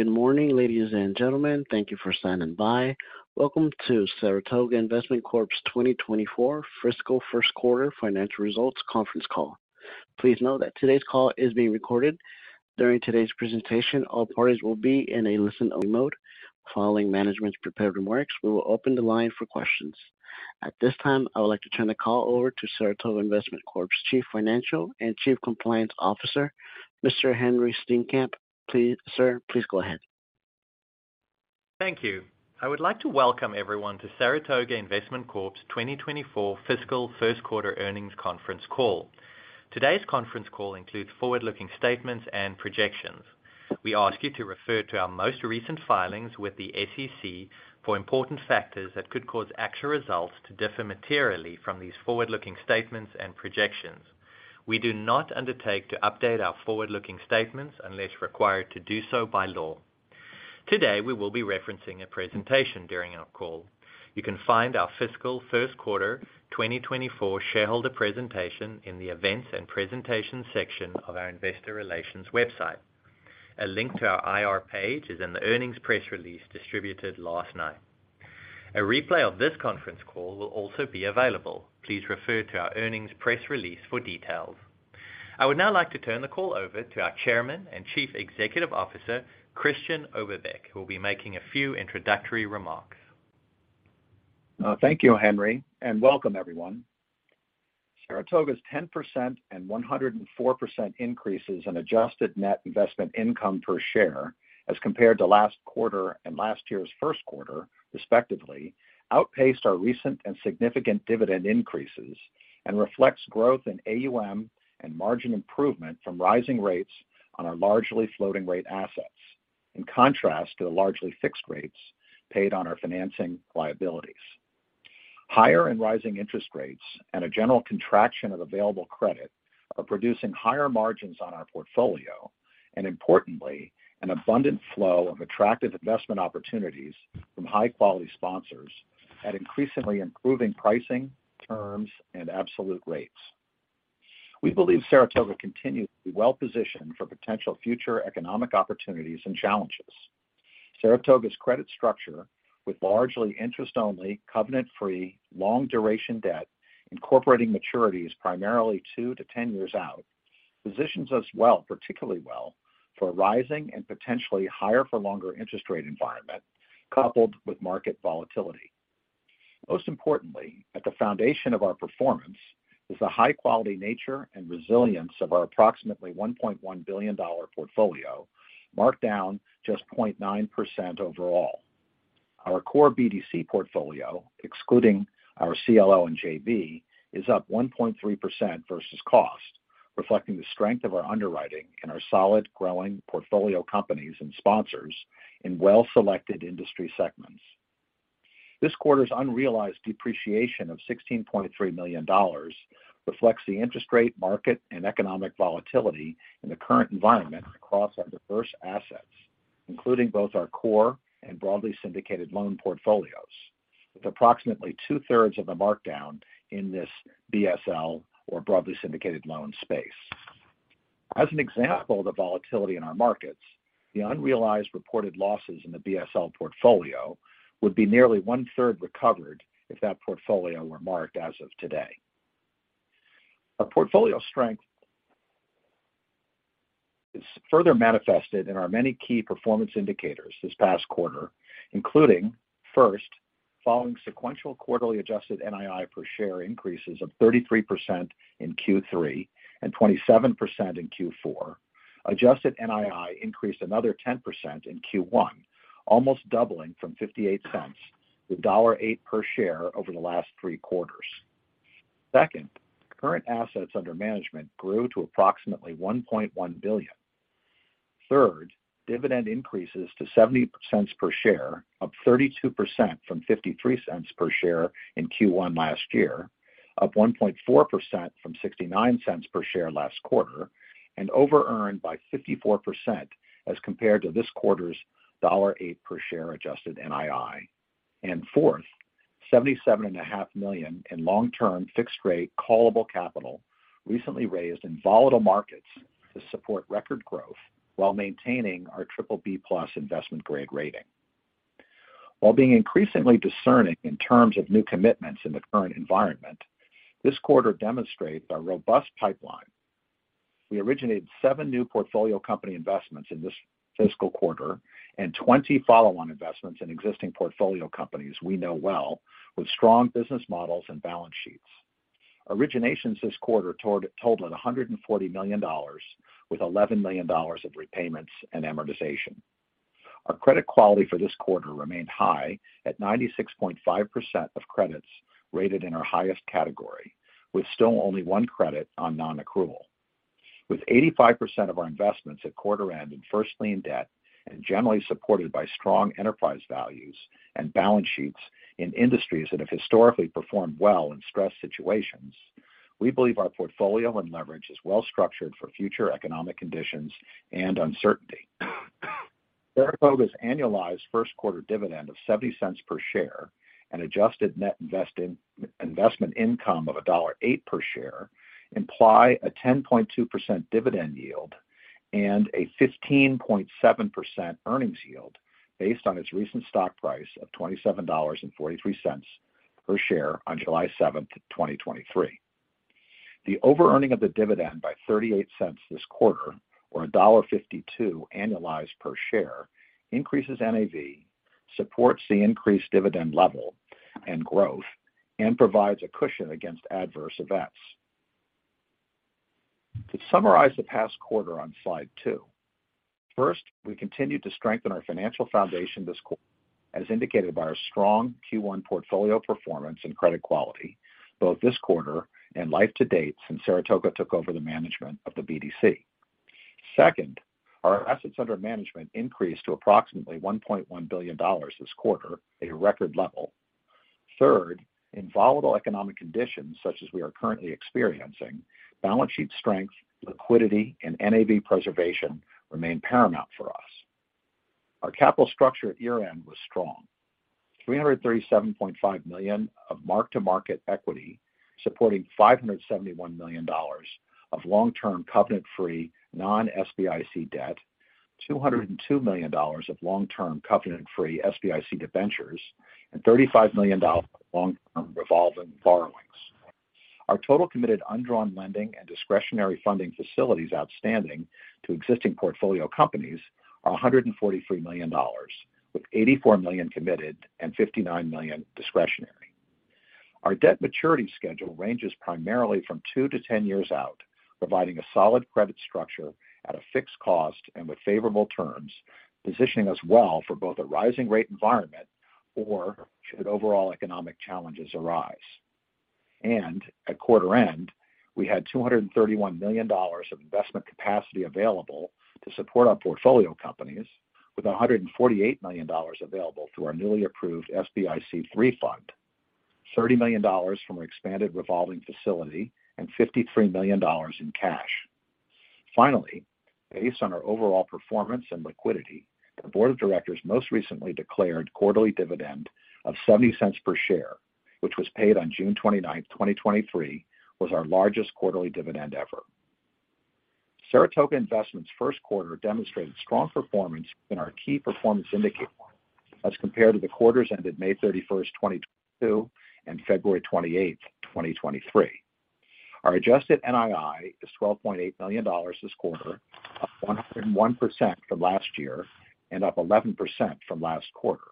Good morning, ladies and gentlemen. Thank you for standing by. Welcome to Saratoga Investment Corp's 2024 fiscal first quarter financial results conference call. Please note that today's call is being recorded. During today's presentation, all parties will be in a listen-only mode. Following management's prepared remarks, we will open the line for questions. At this time, I would like to turn the call over to Saratoga Investment Corp's Chief Financial and Chief Compliance Officer, Mr. Henri Steenkamp. Please, sir, please go ahead. Thank you. I would like to welcome everyone to Saratoga Investment Corp.'s 2024 fiscal first quarter earnings conference call. Today's conference call includes forward-looking statements and projections. We ask you to refer to our most recent filings with the SEC for important factors that could cause actual results to differ materially from these forward-looking statements and projections. We do not undertake to update our forward-looking statements unless required to do so by law. Today, we will be referencing a presentation during our call. You can find our fiscal first quarter 2024 shareholder presentation in the Events and Presentation section of our Investor Relations website. A link to our IR page is in the earnings press release distributed last night. A replay of this conference call will also be available. Please refer to our earnings press release for details. I would now like to turn the call over to our Chairman and Chief Executive Officer, Christian Oberbeck, who will be making a few introductory remarks. Thank you, Henri, and welcome everyone. Saratoga's 10% and 104% increases in adjusted net investment income per share as compared to last quarter and last year's first quarter, respectively, outpaced our recent and significant dividend increases and reflects growth in AUM and margin improvement from rising rates on our largely floating rate assets, in contrast to the largely fixed rates paid on our financing liabilities. Higher and rising interest rates and a general contraction of available credit are producing higher margins on our portfolio, and importantly, an abundant flow of attractive investment opportunities from high-quality sponsors at increasingly improving pricing, terms, and absolute rates. We believe Saratoga continues to be well positioned for potential future economic opportunities and challenges. Saratoga's credit structure, with largely interest-only, covenant-free, long-duration debt, incorporating maturities primarily 2-10 years out, positions us well, particularly well, for a rising and potentially higher for longer interest rate environment, coupled with market volatility. Most importantly, at the foundation of our performance is the high-quality nature and resilience of our approximately $1.1 billion portfolio, marked down just 0.9% overall. Our core BDC portfolio, excluding our CLO and JV, is up 1.3% versus cost, reflecting the strength of our underwriting and our solid, growing portfolio companies and sponsors in well-selected industry segments. This quarter's unrealized depreciation of $16.3 million reflects the interest rate, market, and economic volatility in the current environment across our diverse assets, including both our core and broadly syndicated loan portfolios, with approximately 2/3 of the markdown in this BSL, or broadly syndicated loans, space. As an example of the volatility in our markets, the unrealized reported losses in the BSL portfolio would be nearly one-third recovered if that portfolio were marked as of today. Our portfolio strength is further manifested in our many key performance indicators this past quarter, including, first, following sequential quarterly adjusted NII per share increases of 33% in Q3 and 27% in Q4, adjusted NII increased another 10% in Q1, almost doubling from $0.58 to $1.08 per share over the last three quarters. Second, current assets under management grew to approximately $1.1 billion. Third, dividend increases to $0.70 per share, up 32% from $0.53 per share in Q1 last year, up 1.4% from $0.69 per share last quarter, over-earned by 54% as compared to this quarter's $1.08 per share adjusted NII. Fourth, $77.5 million in long-term, fixed-rate, callable capital recently raised in volatile markets to support record growth while maintaining our BBB+ investment grade rating. While being increasingly discerning in terms of new commitments in the current environment, this quarter demonstrates our robust pipeline. We originated seven new portfolio company investments in this fiscal quarter and 20 follow-on investments in existing portfolio companies we know well with strong business models and balance sheets. Originations this quarter totaled $140 million, with $11 million of repayments and amortization. Our credit quality for this quarter remained high at 96.5% of credits rated in our highest category, with still only one credit on nonaccrual. With 85% of our investments at quarter end in First Lien debt and generally supported by strong enterprise values and balance sheets in industries that have historically performed well in stress situations, we believe our portfolio and leverage is well structured for future economic conditions and uncertainty. Saratoga's annualized first quarter dividend of $0.70 per share and adjusted net investment income of $1.08 per share imply a 10.2% dividend yield and a 15.7% earnings yield based on its recent stock price of $27.43 per share on July 7th, 2023. The overearning of the dividend by $0.38 this quarter, or $1.52 annualized per share, increases NAV, supports the increased dividend level and growth, and provides a cushion against adverse events. To summarize the past quarter on slide two. First, we continued to strengthen our financial foundation this quarter, as indicated by our strong Q1 portfolio performance and credit quality, both this quarter and life to date since Saratoga took over the management of the BDC. Second, our assets under management increased to approximately $1.1 billion this quarter, a record level. Third, in volatile economic conditions, such as we are currently experiencing, balance sheet strength, liquidity, and NAV preservation remain paramount for us. Our capital structure at year-end was strong. $337.5 million of mark-to-market equity, supporting $571 million of long-term, covenant-free, non-SBIC debt, $202 million of long-term, covenant-free SBIC debentures, and $35 million of long-term revolving borrowings. Our total committed undrawn lending and discretionary funding facilities outstanding to existing portfolio companies are $143 million, with $84 million committed and $59 million discretionary. Our debt maturity schedule ranges primarily from 2-10 years out, providing a solid credit structure at a fixed cost and with favorable terms, positioning us well for both a rising rate environment or should overall economic challenges arise. At quarter end, we had $231 million of investment capacity available to support our portfolio companies, with $148 million available through our newly approved SBIC III fund, $30 million from our expanded revolving facility, and $53 million in cash. Based on our overall performance and liquidity, the board of directors most recently declared quarterly dividend of $0.70 per share, which was paid on June 29th, 2023, was our largest quarterly dividend ever. Saratoga Investment's first quarter demonstrated strong performance in our key performance indicators as compared to the quarters ended May 31st, 2022, and February 28th, 2023. Our adjusted NII is $12.8 million this quarter, up 101% from last year and up 11% from last quarter.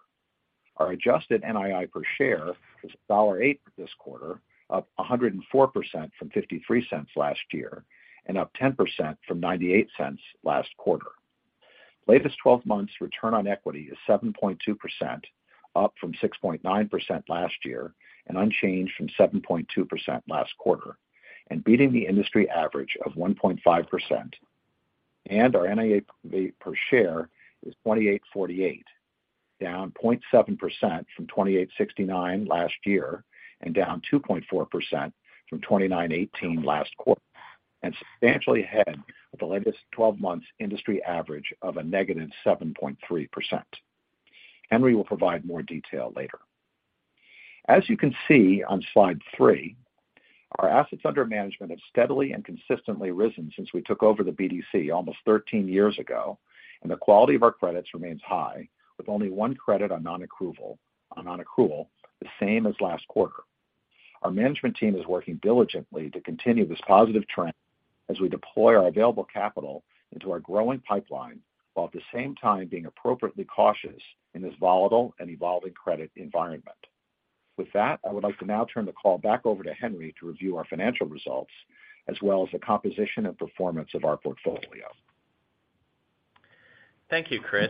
Our adjusted NII per share was $1.08 this quarter, up 104% from $0.53 last year and up 10% from $0.98 last quarter. Latest 12 months return on equity is 7.2%, up from 6.9% last year and unchanged from 7.2% last quarter, beating the industry average of 1.5%. Our NII per share is $28.48, down 0.7% from $28.69 last year and down 2.4% from $29.18 last quarter, substantially ahead of the latest 12 months industry average of negative 7.3%. Henri will provide more detail later. As you can see on slide three, our assets under management have steadily and consistently risen since we took over the BDC almost 13 years ago. The quality of our credits remains high, with only one credit on non-accrual, the same as last quarter. Our management team is working diligently to continue this positive trend as we deploy our available capital into our growing pipeline, while at the same time being appropriately cautious in this volatile and evolving credit environment. With that, I would like to now turn the call back over to Henri to review our financial results, as well as the composition and performance of our portfolio. Thank you, Chris.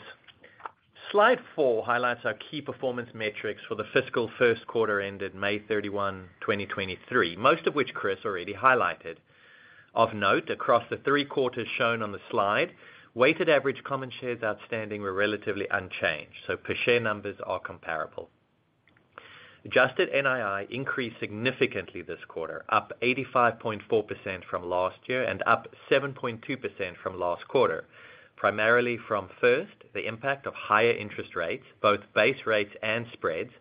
Slide four highlights our key performance metrics for the fiscal first quarter ended May 31, 2023, most of which Chris already highlighted. Of note, across the three quarters shown on the slide, weighted average common shares outstanding were relatively unchanged, per share numbers are comparable. Adjusted NII increased significantly this quarter, up 85.4% from last year and up 7.2% from last quarter, primarily from, first, the impact of higher interest rates, both base rates and spreads,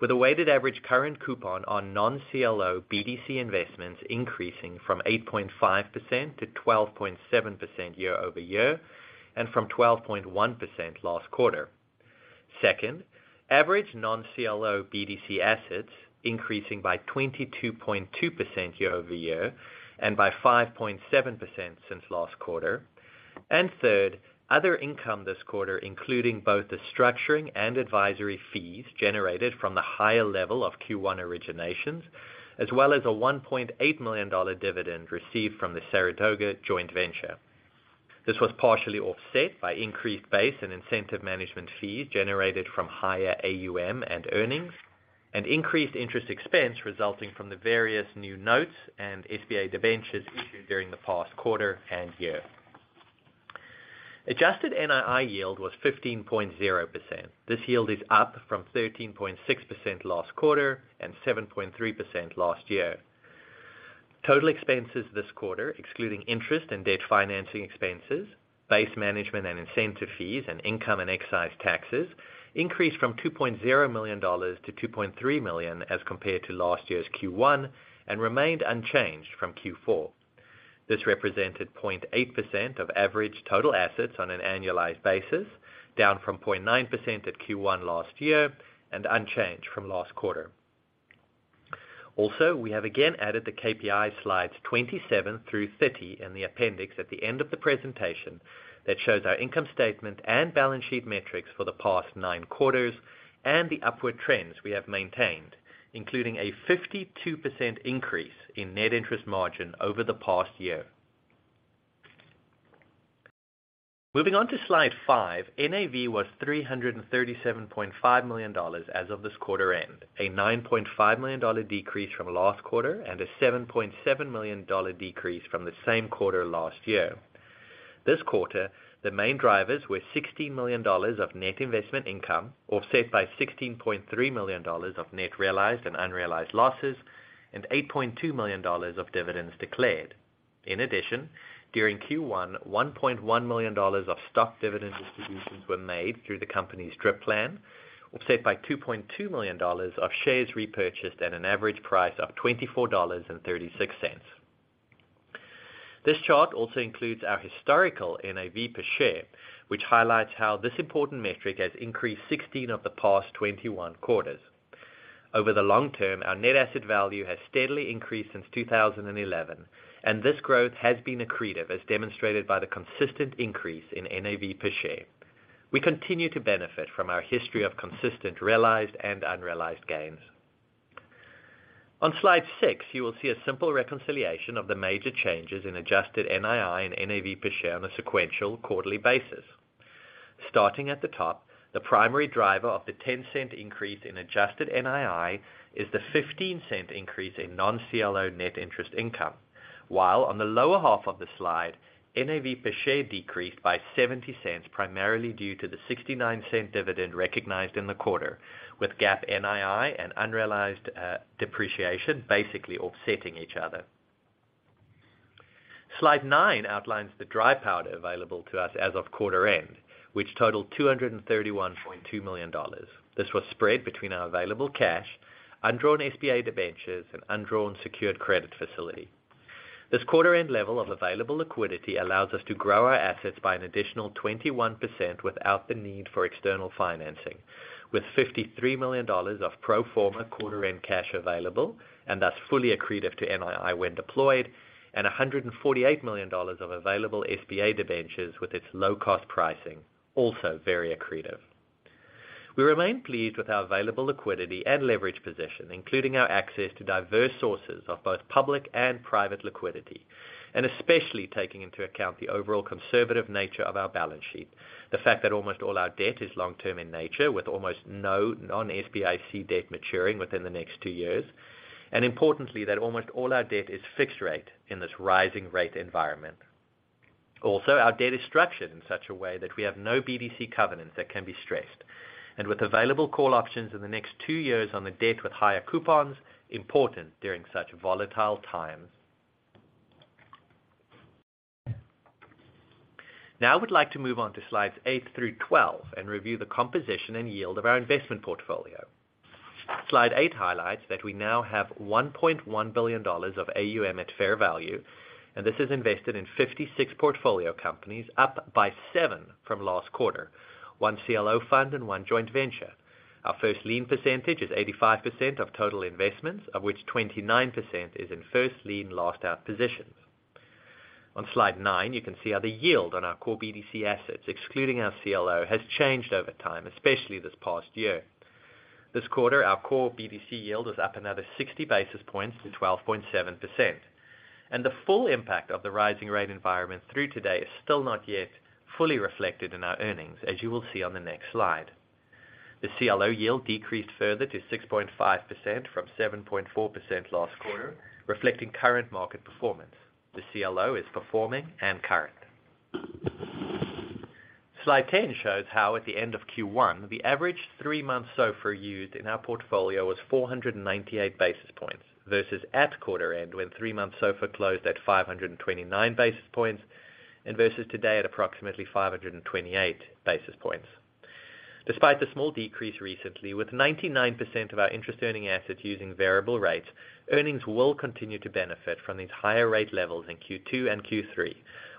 with a weighted average current coupon on non-CLO BDC investments increasing from 8.5% to 12.7% year-over-year, from 12.1% last quarter. Second, average non-CLO BDC assets increasing by 22.2% year-over-year by 5.7% since last quarter. Third, other income this quarter, including both the structuring and advisory fees generated from the higher level of Q1 originations, as well as a $1.8 million dividend received from the Saratoga Joint Venture. This was partially offset by increased Base and Incentive Management Fees generated from higher AUM and earnings, and increased interest expense resulting from the various new notes and SBA Debentures issued during the past quarter and year. Adjusted NII yield was 15.0%. This yield is up from 13.6% last quarter and 7.3% last year. Total expenses this quarter, excluding interest and debt financing expenses, Base Management and Incentive Fees, and income and excise taxes, increased from $2.0 million to $2.3 million as compared to last year's Q1 and remained unchanged from Q4. This represented 0.8% of average total assets on an annualized basis, down from 0.9% at Q1 last year, and unchanged from last quarter. We have again added the KPI Slides 27-30 in the appendix at the end of the presentation, that shows our income statement and balance sheet metrics for the past nine quarters, and the upward trends we have maintained, including a 52% increase in net interest margin over the past year. Moving on to Slide five, NAV was $337.5 million as of this quarter end, a $9.5 million decrease from last quarter, and a $7.7 million decrease from the same quarter last year. This quarter, the main drivers were $16 million of net investment income, offset by $16.3 million of net realized and unrealized losses, and $8.2 million of dividends declared. In addition, during Q1, $1.1 million of stock dividend distributions were made through the company's DRIP plan, offset by $2.2 million of shares repurchased at an average price of $24.36. This chart also includes our historical NAV per share, which highlights how this important metric has increased 16 of the past 21 quarters. Over the long term, our net asset value has steadily increased since 2011, and this growth has been accretive, as demonstrated by the consistent increase in NAV per share. We continue to benefit from our history of consistent, realized, and unrealized gains. On Slide six, you will see a simple reconciliation of the major changes in adjusted NII and NAV per share on a sequential quarterly basis. Starting at the top, the primary driver of the $0.10 increase in adjusted NII is the $0.15 increase in non-CLO net interest income. While on the lower half of the slide, NAV per share decreased by $0.70, primarily due to the $0.69 dividend recognized in the quarter, with GAAP NII and unrealized depreciation, basically offsetting each other. Slide nine outlines the dry powder available to us as of quarter end, which totaled $231.2 million. This was spread between our available cash, undrawn SBA Debentures, and undrawn secured credit facility. This quarter end level of available liquidity allows us to grow our assets by an additional 21% without the need for external financing, with $53 million of pro forma quarter end cash available, and thus fully accretive to NII when deployed, and $148 million of available SBA Debentures with its low-cost pricing, also very accretive. We remain pleased with our available liquidity and leverage position, including our access to diverse sources of both public and private liquidity, and especially taking into account the overall conservative nature of our balance sheet. The fact that almost all our debt is long-term in nature, with almost no non-SBIC debt maturing within the next two years. Importantly, that almost all our debt is fixed rate in this rising rate environment. Our debt is structured in such a way that we have no BDC covenants that can be stressed, and with available call options in the next two years on the debt with higher coupons, important during such volatile times. I would like to move on to Slides eight through 12 and review the composition and yield of our investment portfolio. Slide eight highlights that we now have $1.1 billion of AUM at fair value, and this is invested in 56 portfolio companies, up by seven from last quarter, one CLO fund and one joint venture. Our First Lien percentage is 85% of total investments, of which 29% is in First Lien Last Out positions. On Slide nine, you can see how the yield on our core BDC assets, excluding our CLO, has changed over time, especially this past year. This quarter, our core BDC yield is up another 60 basis points to 12.7%. The full impact of the rising rate environment through today is still not yet fully reflected in our earnings, as you will see on the next slide. The CLO yield decreased further to 6.5% from 7.4% last quarter, reflecting current market performance. The CLO is performing and current. Slide 10 shows how at the end of Q1, the average three-month SOFR used in our portfolio was 498 basis points, versus at quarter end, when three-month SOFR closed at 529 basis points, and versus today at approximately 528 basis points. Despite the small decrease recently, with 99% of our interest earning assets using variable rates, earnings will continue to benefit from these higher rate levels in Q2 and Q3,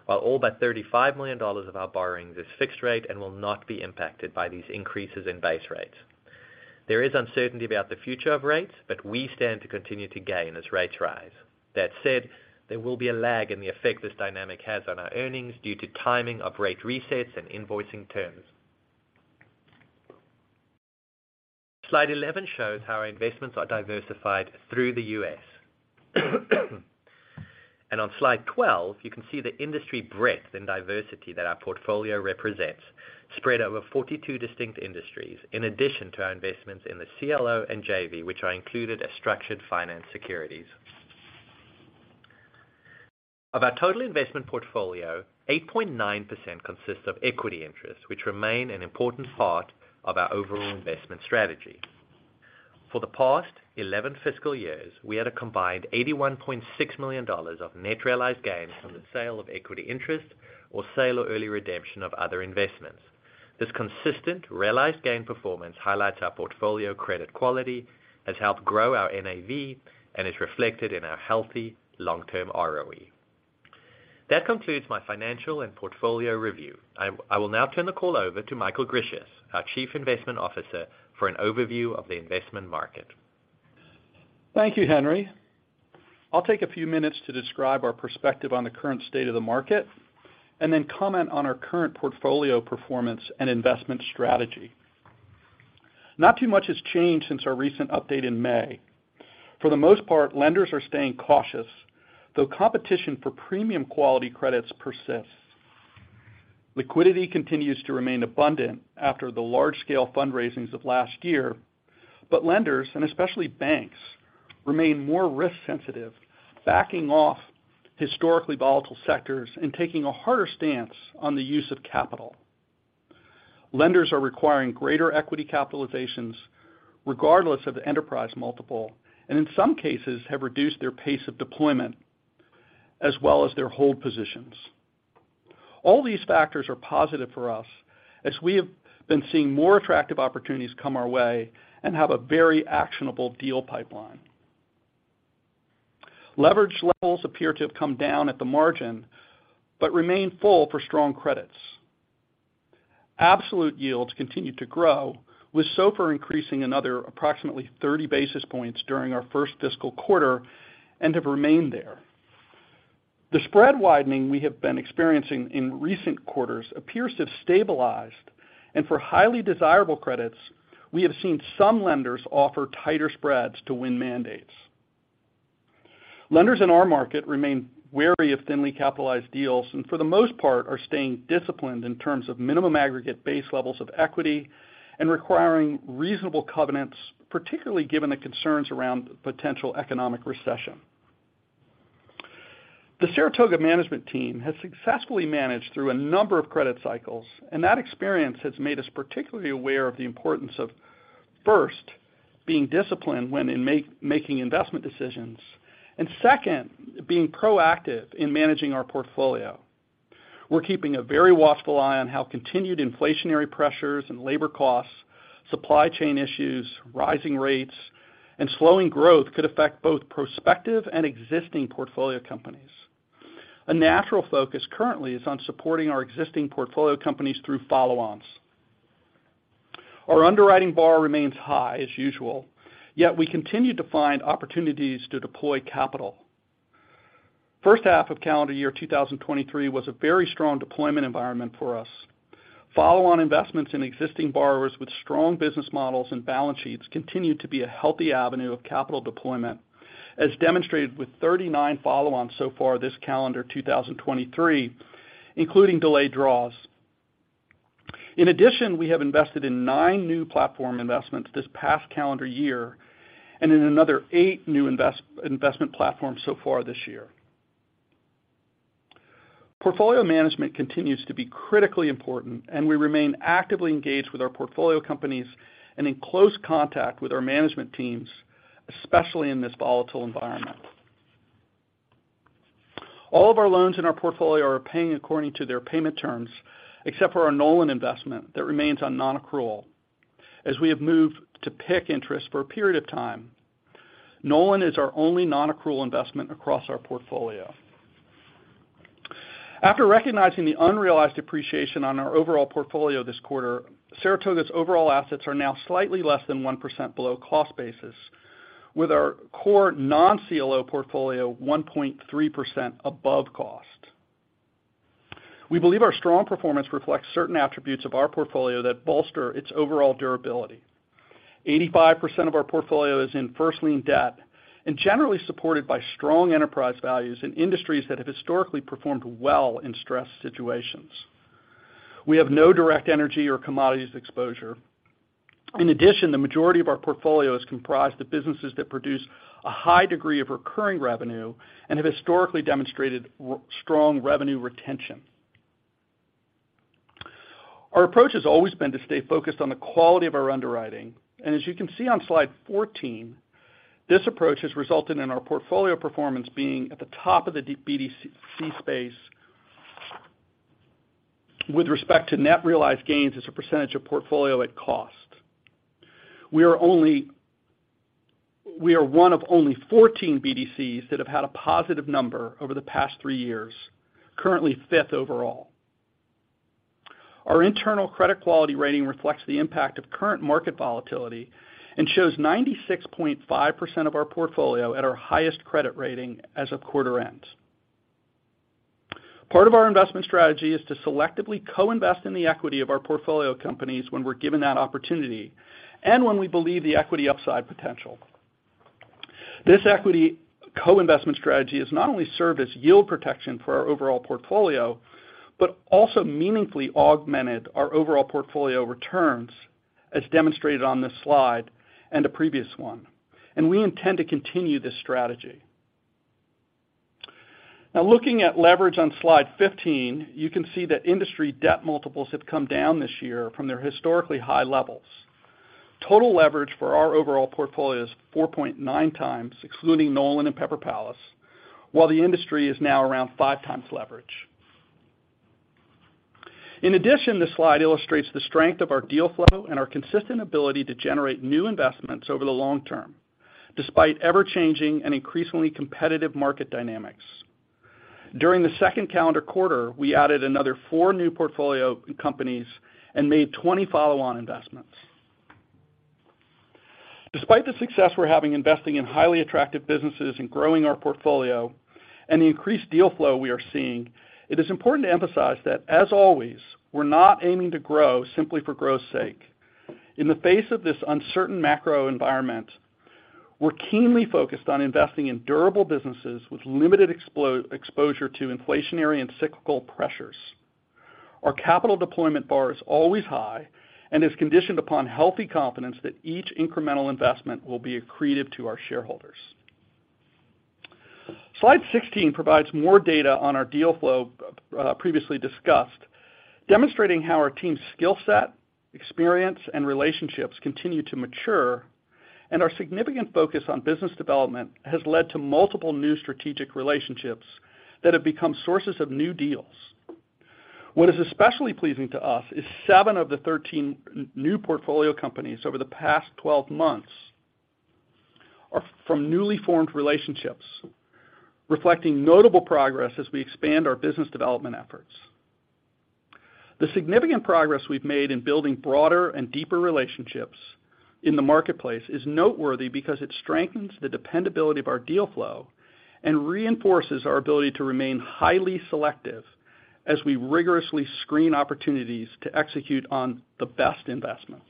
while all but $35 million of our borrowing is fixed rate and will not be impacted by these increases in base rates. There is uncertainty about the future of rates, we stand to continue to gain as rates rise. That said, there will be a lag in the effect this dynamic has on our earnings due to timing of rate resets and invoicing terms. Slide 11 shows how our investments are diversified through the U.S. On Slide 12, you can see the industry breadth and diversity that our portfolio represents, spread over 42 distinct industries, in addition to our investments in the CLO and JV, which are included as structured finance securities. Of our total investment portfolio, 8.9% consists of equity interests, which remain an important part of our overall investment strategy. For the past 11 fiscal years, we had a combined $81.6 million of net realized gains from the sale of equity interest, or sale or early redemption of other investments. This consistent realized gain performance highlights our portfolio credit quality, has helped grow our NAV, and is reflected in our healthy long-term ROE. That concludes my financial and portfolio review. I will now turn the call over to Michael Grisius, our Chief Investment Officer, for an overview of the investment market. Thank you, Henri. I'll take a few minutes to describe our perspective on the current state of the market, then comment on our current portfolio performance and investment strategy. Not too much has changed since our recent update in May. For the most part, lenders are staying cautious, though competition for premium quality credits persists. Liquidity continues to remain abundant after the large-scale fundraisings of last year, lenders, and especially banks, remain more risk sensitive, backing off historically volatile sectors and taking a harder stance on the use of capital. Lenders are requiring greater equity capitalizations regardless of the enterprise multiple, in some cases, have reduced their pace of deployment as well as their hold positions. All these factors are positive for us as we have been seeing more attractive opportunities come our way and have a very actionable deal pipeline. Leverage levels appear to have come down at the margin, but remain full for strong credits. Absolute yields continue to grow, with SOFR increasing another approximately 30 basis points during our first fiscal quarter and have remained there. The spread widening we have been experiencing in recent quarters appears to have stabilized, and for highly desirable credits, we have seen some lenders offer tighter spreads to win mandates. Lenders in our market remain wary of thinly capitalized deals, and for the most part, are staying disciplined in terms of minimum aggregate base levels of equity and requiring reasonable covenants, particularly given the concerns around potential economic recession. The Saratoga management team has successfully managed through a number of credit cycles, and that experience has made us particularly aware of the importance of, first, being disciplined when making investment decisions, and second, being proactive in managing our portfolio. We're keeping a very watchful eye on how continued inflationary pressures and labor costs, supply chain issues, rising rates, and slowing growth could affect both prospective and existing portfolio companies. A natural focus currently is on supporting our existing portfolio companies through follow-ons. Our underwriting bar remains high as usual, yet we continue to find opportunities to deploy capital. First half of calendar year 2023 was a very strong deployment environment for us. Follow-on investments in existing borrowers with strong business models and balance sheets continued to be a healthy avenue of capital deployment, as demonstrated with 39 follow-ons so far this calendar 2023, including delayed draws. In addition, we have invested in nine new platform investments this past calendar year and in another eight new investment platforms so far this year. Portfolio management continues to be critically important, and we remain actively engaged with our portfolio companies and in close contact with our management teams, especially in this volatile environment. All of our loans in our portfolio are paying according to their payment terms, except for our Nolan investment that remains on nonaccrual. As we have moved to PIK interest for a period of time, Nolan is our only nonaccrual investment across our portfolio. After recognizing the unrealized depreciation on our overall portfolio this quarter, Saratoga's overall assets are now slightly less than 1% below cost basis, with our core non-CLO portfolio 1.3% above cost. We believe our strong performance reflects certain attributes of our portfolio that bolster its overall durability. 85% of our portfolio is in First Lien debt and generally supported by strong enterprise values in industries that have historically performed well in stress situations. We have no direct energy or commodities exposure. In addition, the majority of our portfolio is comprised of businesses that produce a high degree of recurring revenue and have historically demonstrated strong revenue retention. Our approach has always been to stay focused on the quality of our underwriting, and as you can see on slide 14, this approach has resulted in our portfolio performance being at the top of the BDC space with respect to net realized gains as a percentage of portfolio at cost. We are one of only 14 BDCs that have had a positive number over the past three years, currently fifth overall. Our internal credit quality rating reflects the impact of current market volatility and shows 96.5% of our portfolio at our highest credit rating as of quarter end. Part of our investment strategy is to selectively co-invest in the equity of our portfolio companies when we're given that opportunity and when we believe the equity upside potential. This equity co-investment strategy has not only served as yield protection for our overall portfolio, but also meaningfully augmented our overall portfolio returns, as demonstrated on this slide and the previous one, and we intend to continue this strategy. Looking at leverage on slide 15, you can see that industry debt multiples have come down this year from their historically high levels. Total leverage for our overall portfolio is 4.9x, excluding Nolan and Pepper Palace, while the industry is now around 5x leverage. In addition, this slide illustrates the strength of our deal flow and our consistent ability to generate new investments over the long term, despite ever-changing and increasingly competitive market dynamics. During the second calendar quarter, we added another four new portfolio companies and made 20 follow-on investments. Despite the success we're having investing in highly attractive businesses and growing our portfolio and the increased deal flow we are seeing, it is important to emphasize that, as always, we're not aiming to grow simply for growth's sake. In the face of this uncertain macro environment, we're keenly focused on investing in durable businesses with limited exposure to inflationary and cyclical pressures. Our capital deployment bar is always high and is conditioned upon healthy confidence that each Incremental Investment will be accretive to our shareholders. Slide 16 provides more data on our deal flow, previously discussed, demonstrating how our team's skill set, experience, and relationships continue to mature, and our significant focus on business development has led to multiple new strategic relationships that have become sources of new deals. What is especially pleasing to us is seven of the 13 new portfolio companies over the past 12 months are from newly formed relationships, reflecting notable progress as we expand our business development efforts. The significant progress we've made in building broader and deeper relationships in the marketplace is noteworthy because it strengthens the dependability of our deal flow and reinforces our ability to remain highly selective as we rigorously screen opportunities to execute on the best investments.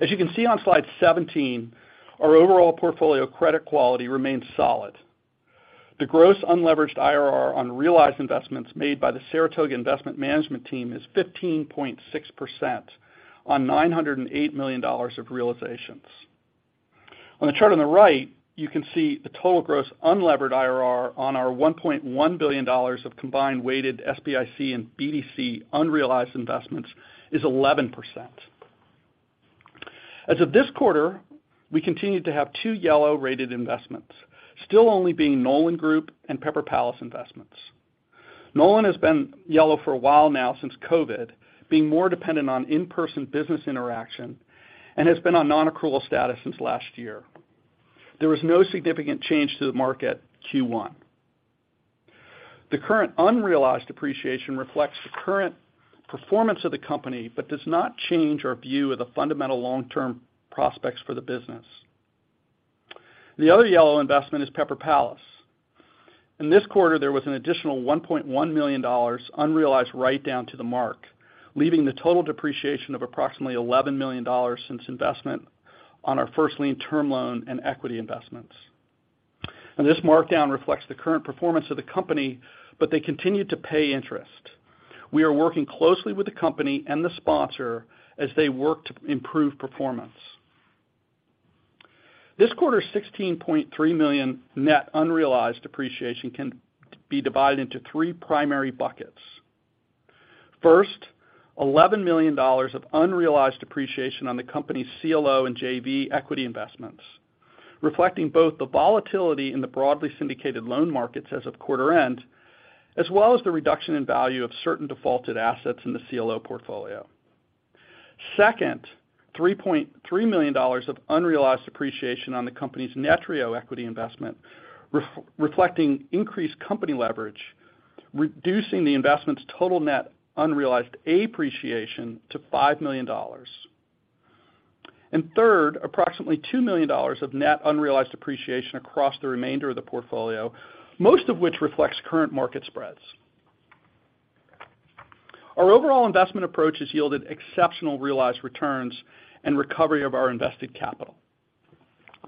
As you can see on Slide 17, our overall portfolio credit quality remains solid. The gross unleveraged IRR on realized investments made by the Saratoga Investment Management team is 15.6% on $908 million of realizations. On the chart on the right, you can see the total gross unlevered IRR on our $1.1 billion of combined weighted SBIC and BDC unrealized investments is 11%. As of this quarter, we continued to have two yellow-rated investments, still only being Nolan Group and Pepper Palace investments. Nolan has been yellow for a while now since COVID, being more dependent on in-person business interaction, and has been on non-accrual status since last year. There was no significant change to the market Q1. The current unrealized depreciation reflects the current performance of the company, but does not change our view of the fundamental long-term prospects for the business. The other yellow investment is Pepper Palace. In this quarter, there was an additional $1.1 million unrealized write-down to the mark, leaving the total depreciation of approximately $11 million since investment on our First Lien Term Loan and Equity Investments. This markdown reflects the current performance of the company, but they continue to pay interest. We are working closely with the company and the sponsor as they work to improve performance. This quarter's $16.3 million net unrealized depreciation can be divided into three primary buckets. First, $11 million of unrealized depreciation on the company's CLO and JV Equity Investments, reflecting both the volatility in the broadly syndicated loan markets as of quarter end, as well as the reduction in value of certain defaulted assets in the CLO portfolio. Second, $3.3 million of unrealized appreciation on the company's Netreo Equity Investment, reflecting increased company leverage, reducing the investment's total net unrealized appreciation to $5 million. Third, approximately $2 million of net unrealized appreciation across the remainder of the portfolio, most of which reflects current market spreads. Our overall investment approach has yielded exceptional realized returns and recovery of our invested capital.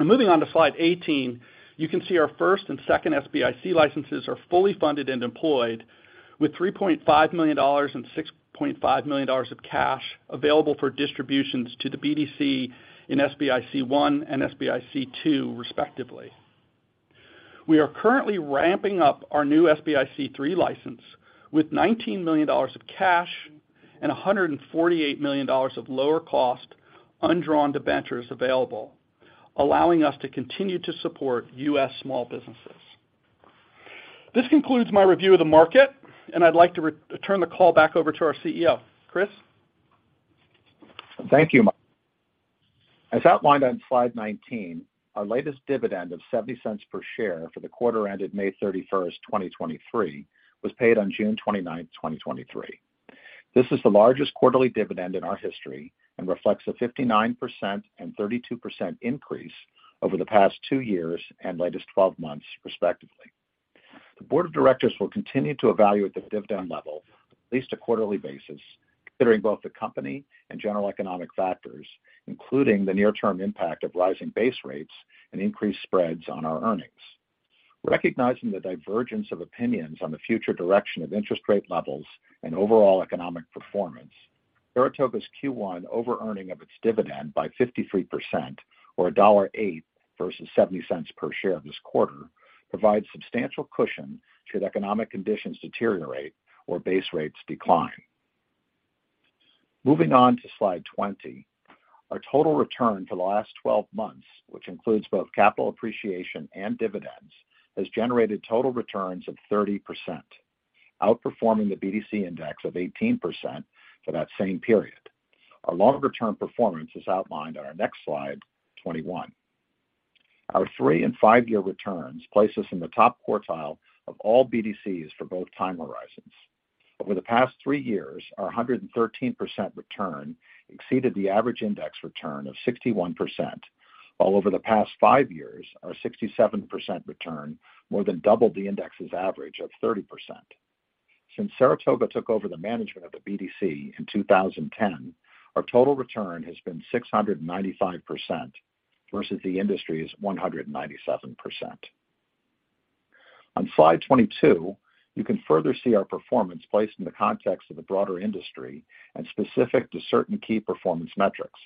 Moving on to Slide 18, you can see our first and second SBIC licenses are fully funded and employed with $3.5 million and $6.5 million of cash available for distributions to the BDC in SBIC I and SBIC II, respectively. We are currently ramping up our new SBIC III license with $19 million of cash and $148 million of lower-cost, undrawn debentures available, allowing us to continue to support U.S. small businesses. This concludes my review of the market, and I'd like to turn the call back over to our CEO. Chris? Thank you, Mike. As outlined on slide 19, our latest dividend of $0.70 per share for the quarter ended May 31st, 2023, was paid on June 29th, 2023. This is the largest quarterly dividend in our history and reflects a 59% and 32% increase over the past two years and latest 12 months, respectively. The board of directors will continue to evaluate the dividend level at least a quarterly basis, considering both the company and general economic factors, including the near-term impact of rising base rates and increased spreads on our earnings. Recognizing the divergence of opinions on the future direction of interest rate levels and overall economic performance, Saratoga's Q1 overearning of its dividend by 53% or $1.08 versus $0.70 per share this quarter, provides substantial cushion should economic conditions deteriorate or base rates decline. Moving on to slide 20. Our total return for the last 12 months, which includes both capital appreciation and dividends, has generated total returns of 30%, outperforming the BDC index of 18% for that same period. Our longer-term performance is outlined on our next slide, 21. Our three and five-year returns place us in the top quartile of all BDCs for both time horizons. Over the past three years, our 113% return exceeded the average index return of 61%, while over the past five years, our 67% return more than doubled the index's average of 30%. Since Saratoga took over the management of the BDC in 2010, our total return has been 695% versus the industry's 197%. On slide 22, you can further see our performance placed in the context of the broader industry and specific to certain key performance metrics.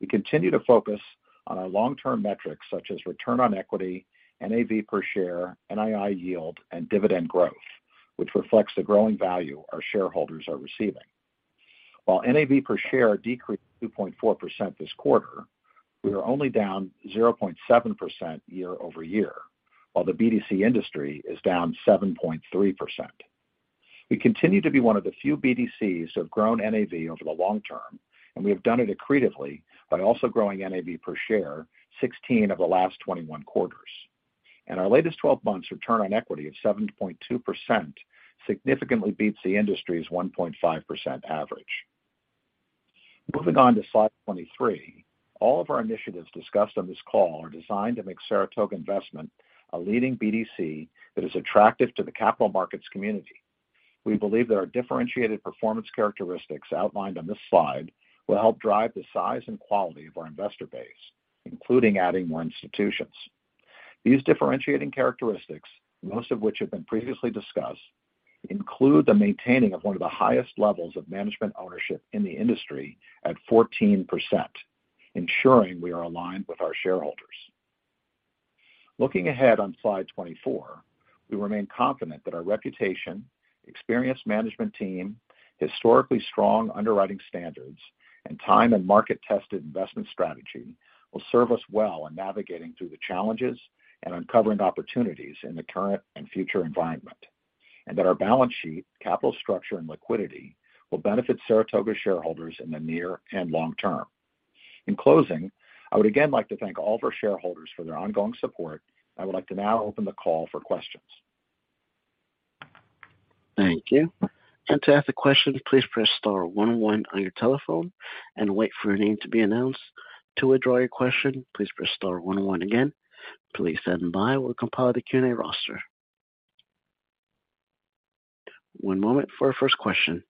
We continue to focus on our long-term metrics, such as return on equity, NAV per share, NII yield, and dividend growth, which reflects the growing value our shareholders are receiving. While NAV per share decreased 2.4% this quarter, we are only down 0.7% year-over-year, while the BDC industry is down 7.3%. We continue to be one of the few BDCs that have grown NAV over the long term, and we have done it accretively by also growing NAV per share 16 of the last 21 quarters. Our latest 12 months return on equity of 7.2% significantly beats the industry's 1.5% average. Moving on to slide 23. All of our initiatives discussed on this call are designed to make Saratoga Investment a leading BDC that is attractive to the capital markets community. We believe that our differentiated performance characteristics outlined on this slide will help drive the size and quality of our investor base, including adding more institutions. These differentiating characteristics, most of which have been previously discussed, include the maintaining of one of the highest levels of management ownership in the industry at 14%, ensuring we are aligned with our shareholders. Looking ahead on slide 24, we remain confident that our reputation, experienced management team, historically strong underwriting standards, and time and market-tested investment strategy will serve us well in navigating through the challenges and uncovering opportunities in the current and future environment. That our balance sheet, capital structure, and liquidity will benefit Saratoga shareholders in the near and long term. In closing, I would again like to thank all of our shareholders for their ongoing support. I would like to now open the call for questions. Thank you. To ask a question, please press star one on your telephone and wait for your name to be announced. To withdraw your question, please press star one again. Please stand by. We'll compile the Q&A roster. One moment for our first question.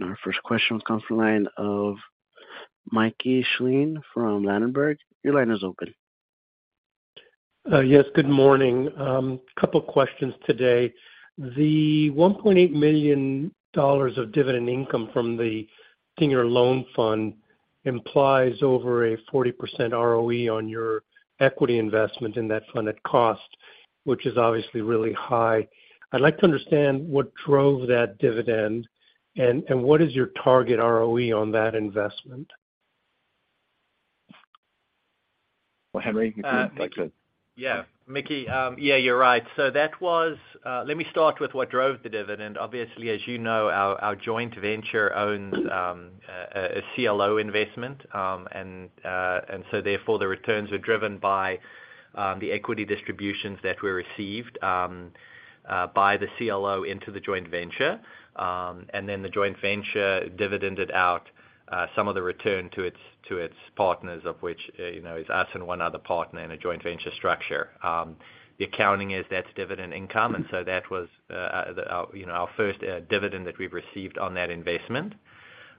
Our first question comes from the line of Mickey Schleien from Ladenburg. Your line is open. Yes, good morning. A couple questions today. The $1.8 million of dividend income from the Senior Loan Fund implies over a 40% ROE on your equity investment in that fund at cost, which is obviously really high. I'd like to understand what drove that dividend and what is your target ROE on that investment? Well, Henri, if you'd like to. Yeah, Mickey, yeah, you're right. Let me start with what drove the dividend. Obviously, as you know, our joint venture owns a CLO investment. Therefore, the returns are driven by the equity distributions that were received by the CLO into the joint venture. The joint venture dividended out some of the return to its partners, of which, you know, is us and one other partner in a joint venture structure. The accounting is that's dividend income, that was our, you know, our first dividend that we've received on that investment.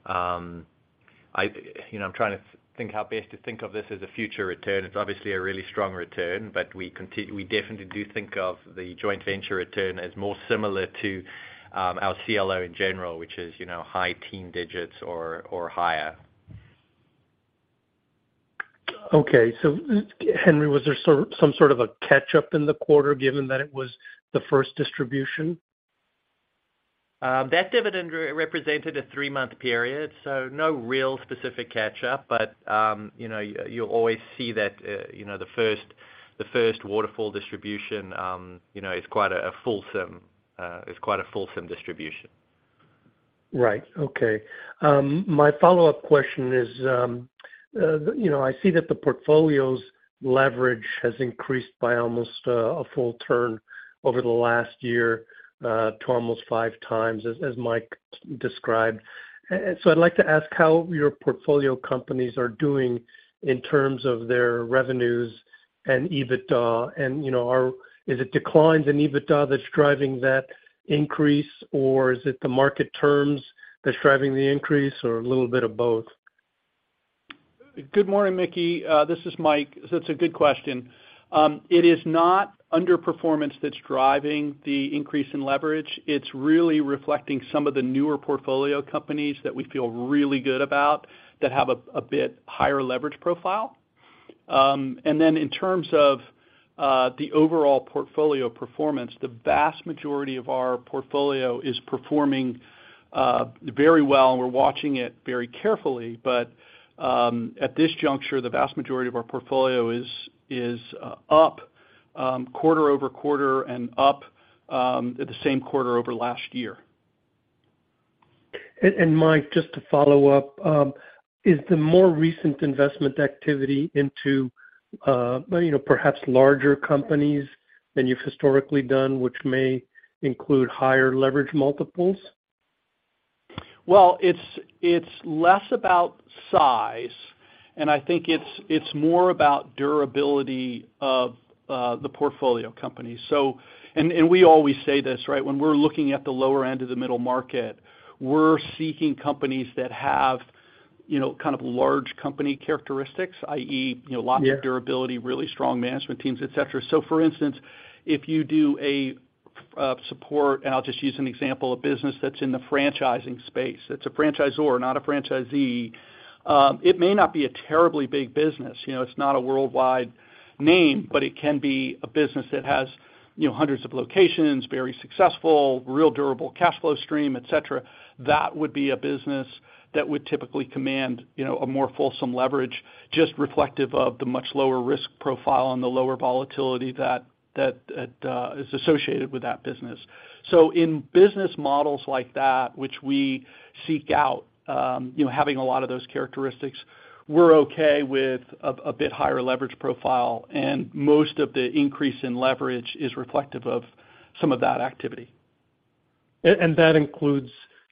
I, you know, I'm trying to think how best to think of this as a future return. It's obviously a really strong return. We definitely do think of the joint venture return as more similar to our CLO in general, which is, you know, high teen digits or higher. Okay. Henri, was there some sort of a catch-up in the quarter, given that it was the first distribution? That dividend represented a three-month period, so no real specific catch up. You know, you'll always see that, you know, the first waterfall distribution, you know, is quite a fulsome distribution. Right. Okay. My follow-up question is, you know, I see that the portfolio's leverage has increased by almost 1 full turn over the last year, to almost 5x, as Mike described. So I'd like to ask how your portfolio companies are doing in terms of their revenues and EBITDA. You know, is it declines in EBITDA that's driving that increase, or is it the market terms that's driving the increase, or a little bit of both? Good morning, Mickey. This is Mike. It's a good question. It is not underperformance that's driving the increase in leverage. It's really reflecting some of the newer portfolio companies that we feel really good about, that have a bit higher leverage profile. And then in terms of the overall portfolio performance, the vast majority of our portfolio is performing very well, and we're watching it very carefully. At this juncture, the vast majority of our portfolio is up quarter-over-quarter and up at the same quarter-over-last-year. Mike, just to follow up, you know, is the more recent investment activity into perhaps larger companies than you've historically done, which may include higher leverage multiples? Well, it's less about size, and I think it's more about durability of the portfolio company. We always say this, right? When we're looking at the lower end of the middle market, we're seeking companies that have, you know, kind of large company characteristics, i.e., you know. Yeah... lots of durability, really strong management teams, et cetera. For instance, if you do a, support, and I'll just use an example, a business that's in the franchising space. It's a franchisor, not a franchisee. It may not be a terribly big business, you know, it's not a worldwide name, but it can be a business that has, you know, hundreds of locations, very successful, real durable cash flow stream, et cetera. That would be a business that would typically command, you know, a more fulsome leverage, just reflective of the much lower risk profile and the lower volatility that is associated with that business. In business models like that, which we seek out, you know, having a lot of those characteristics, we're okay with a bit higher leverage profile, and most of the increase in leverage is reflective of some of that activity. That includes,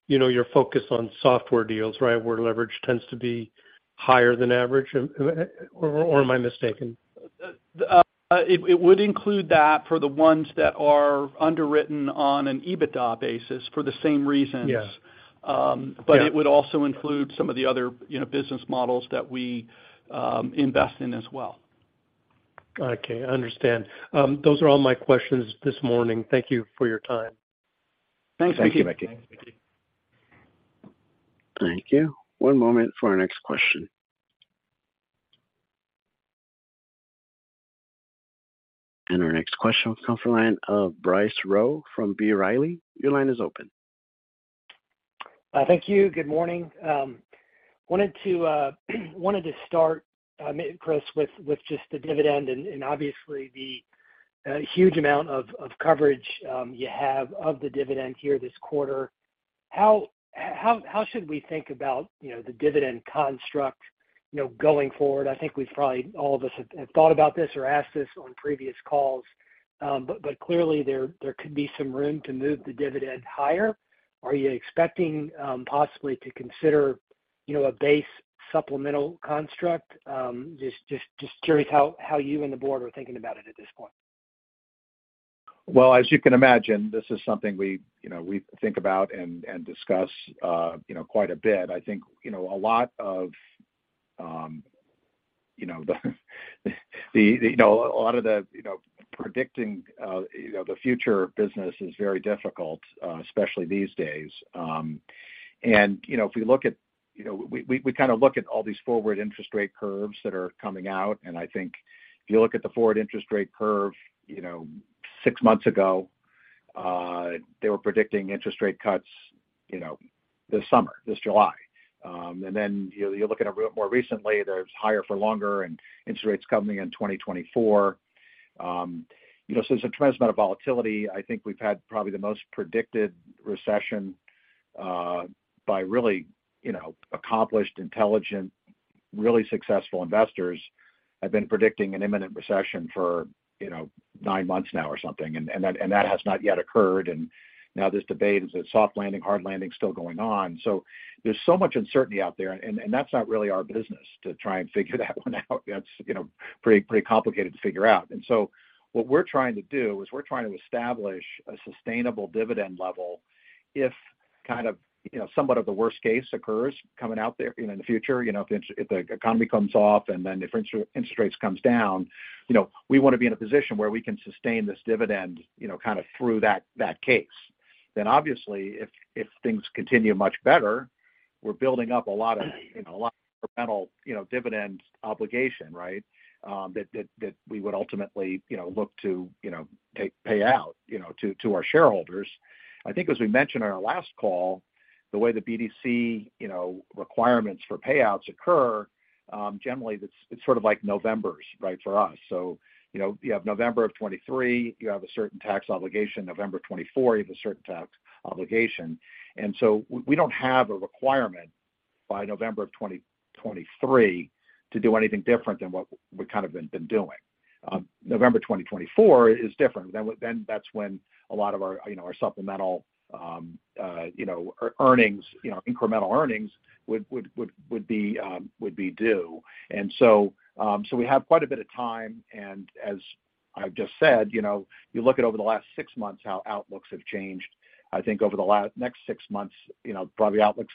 you know, your focus on software deals, right? Where leverage tends to be higher than average, or am I mistaken? It would include that for the ones that are underwritten on an EBITDA basis for the same reasons. Yeah. Um, but- Yeah it would also include some of the other, you know, business models that we invest in as well. I understand. Those are all my questions this morning. Thank you for your time. Thanks, Mickey. Thank you. One moment for our next question. Our next question comes from the line of Bryce Rowe from B. Riley. Your line is open. Thank you. Good morning. Wanted to start, Chris, with just the dividend and obviously the huge amount of coverage, you have of the dividend here this quarter. How should we think about, you know, the dividend construct, you know, going forward? I think we've probably all of us have thought about this or asked this on previous calls. Clearly there could be some room to move the dividend higher. Are you expecting, possibly to consider, you know, a Base Supplemental construct? Just curious how you and the board are thinking about it at this point? Well, as you can imagine, this is something we, you know, we think about and discuss, you know, quite a bit. I think, you know, a lot of, you know, a lot of, you know, predicting, you know, the future of business is very difficult, especially these days. You know, if we look at, you know, we kind of look at all these forward interest rate curves that are coming out, and I think if you look at the forward interest rate curve, you know, six months ago, they were predicting interest rate cuts, you know, this summer, this July. Then, you know, you look at it a bit more recently, there's higher for longer and interest rates coming in 2024. You know, there's a tremendous amount of volatility. I think we've had probably the most predicted recession, by really, you know, accomplished, intelligent, really successful investors, have been predicting an imminent recession for, you know, nine months now or something, and that has not yet occurred. Now this debate, is it soft landing, hard landing, still going on. There's so much uncertainty out there, and that's not really our business to try and figure that one out. That's, you know, pretty complicated to figure out. What we're trying to do is we're trying to establish a sustainable dividend level. If kind of, you know, somewhat of the worst case occurs coming out there, you know, in the future, you know, if the, if the economy comes off and then if interest rates comes down, you know, we want to be in a position where we can sustain this dividend, you know, kind of through that case. Obviously, if things continue much better, we're building up a lot of, you know, a lot of incremental, you know, dividend obligation, right? That we would ultimately, you know, look to, you know, take, pay out, you know, to our shareholders. I think as we mentioned on our last call, the way the BDC, you know, requirements for payouts occur, generally, it's sort of like Novembers, right, for us. You know, you have November of 2023, you have a certain tax obligation, November 2024, you have a certain tax obligation. We don't have a requirement by November of 2023 to do anything different than what we've kind of been doing. November 2024 is different. That's when a lot of our, you know, our Supplemental, you know, earnings, you know, Incremental Earnings would be due. We have quite a bit of time, and as I've just said, you know, you look at over the last six months, how outlooks have changed. I think over the last next six months, you know, probably outlooks,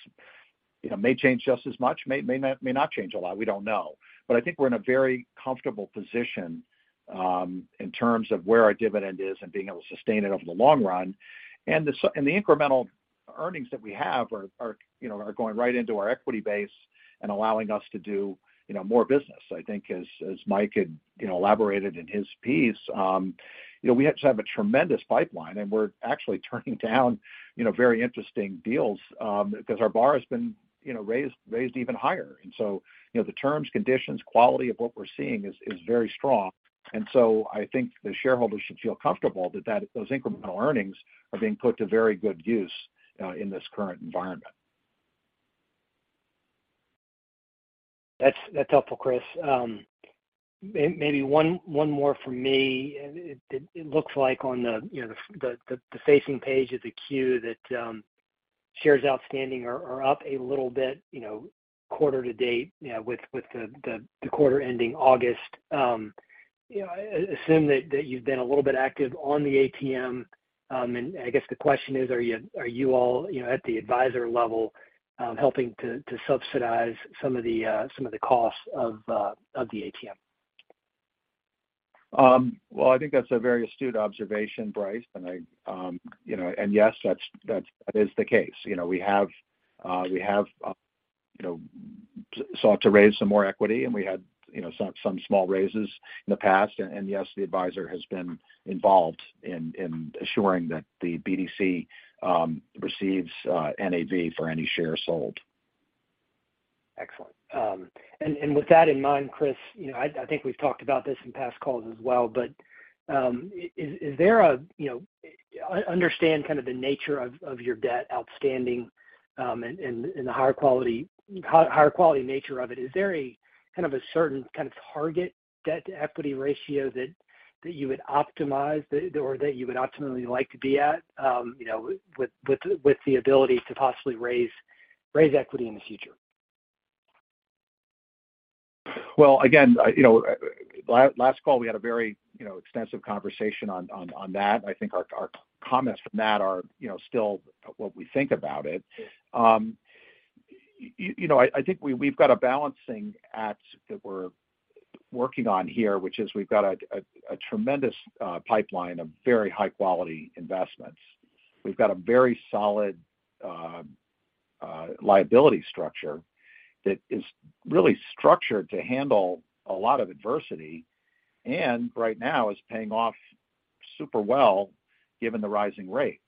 you know, may change just as much, may not change a lot. We don't know. I think we're in a very comfortable position in terms of where our dividend is and being able to sustain it over the long run. The Incremental Earnings that we have are, you know, going right into our equity base and allowing us to do, you know, more business. I think as Mike had, you know, elaborated in his piece, you know, we have to have a tremendous pipeline, and we're actually turning down, you know, very interesting deals because our bar has been, you know, raised even higher. The terms, conditions, quality of what we're seeing is very strong. I think the shareholders should feel comfortable that those Incremental Earnings are being put to very good use in this current environment. That's helpful, Chris. maybe one more from me. It looks like on the, you know, the facing page of the Q that shares outstanding are up a little bit, you know, quarter to date, with the quarter ending August. I assume that you've been a little bit active on the ATM, and I guess the question is, are you all, you know, at the advisor level, helping to subsidize some of the costs of the ATM? Well, I think that's a very astute observation, Bryce. I, and yes, that's, that is the case. You know, we have, you know, sought to raise some more equity, and we had, you know, some small raises in the past. Yes, the advisor has been involved in assuring that the BDC receives NAV for any shares sold. Excellent. With that in mind, Chris, you know, I think we've talked about this in past calls as well, but, you know, I understand kind of the nature of your debt outstanding, and the higher quality nature of it. Is there a kind of a certain kind of target debt-to-equity ratio that you would optimize, or that you would optimally like to be at, you know, with the ability to possibly raise equity in the future? Well, again, I, you know, last call, we had a very, you know, extensive conversation on that. I think our comments from that are, you know, still what we think about it. You know, I think we've got a balancing act that we're working on here, which is we've got a tremendous pipeline of very high-quality investments. We've got a very solid liability structure that is really structured to handle a lot of adversity, and right now is paying off super well, given the rising rates.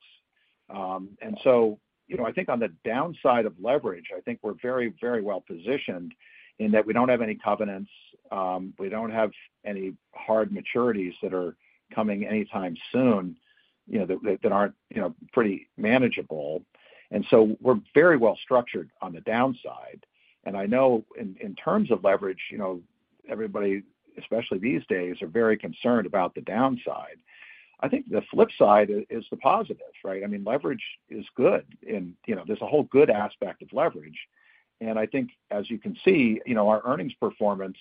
You know, I think on the downside of leverage, I think we're very, very well positioned in that we don't have any covenants, we don't have any hard maturities that are coming anytime soon, you know, that aren't, you know, pretty manageable. We're very well structured on the downside. I know in terms of leverage, you know, everybody, especially these days, are very concerned about the downside. I think the flip side is the positives, right? I mean, leverage is good and, you know, there's a whole good aspect of leverage. I think as you can see, you know, our earnings performance,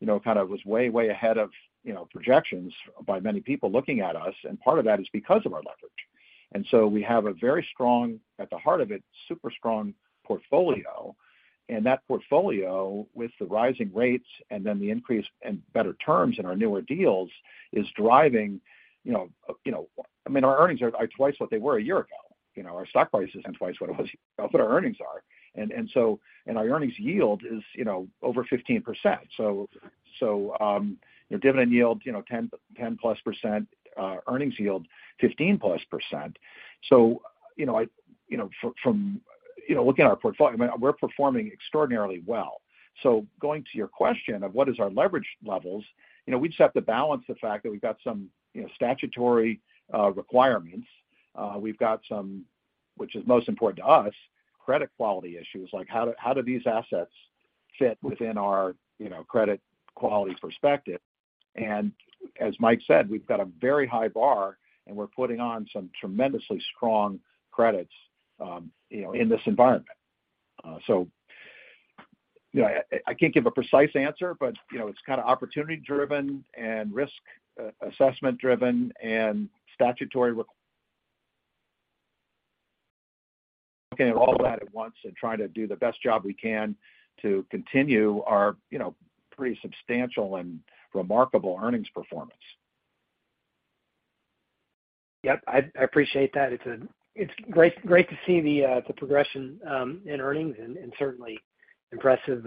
you know, kind of was way ahead of, you know, projections by many people looking at us, and part of that is because of our leverage. We have a very strong, at the heart of it, super strong portfolio. That portfolio, with the rising rates and then the increase and better terms in our newer deals, is driving, you know, you know. I mean, our earnings are twice what they were a year ago. You know, our stock price isn't twice what it was, but our earnings are. Our earnings yield is, you know, over 15%. You know, dividend yield, you know, 10%+, earnings yield, 15%+. You know, I, you know, from, you know, looking at our portfolio, I mean, we're performing extraordinarily well. Going to your question of what is our leverage levels? You know, we just have to balance the fact that we've got some, you know, statutory requirements. We've got some, which is most important to us, credit quality issues, like how do these assets fit within our, you know, credit quality perspective? As Mike said, we've got a very high bar, and we're putting on some tremendously strong credits, you know, in this environment. You know, I can't give a precise answer, but, you know, it's kind of opportunity driven and risk assessment driven and statutory Okay, all that at once and trying to do the best job we can to continue our, you know, pretty substantial and remarkable earnings performance. Yep, I appreciate that. It's great to see the progression in earnings and certainly impressive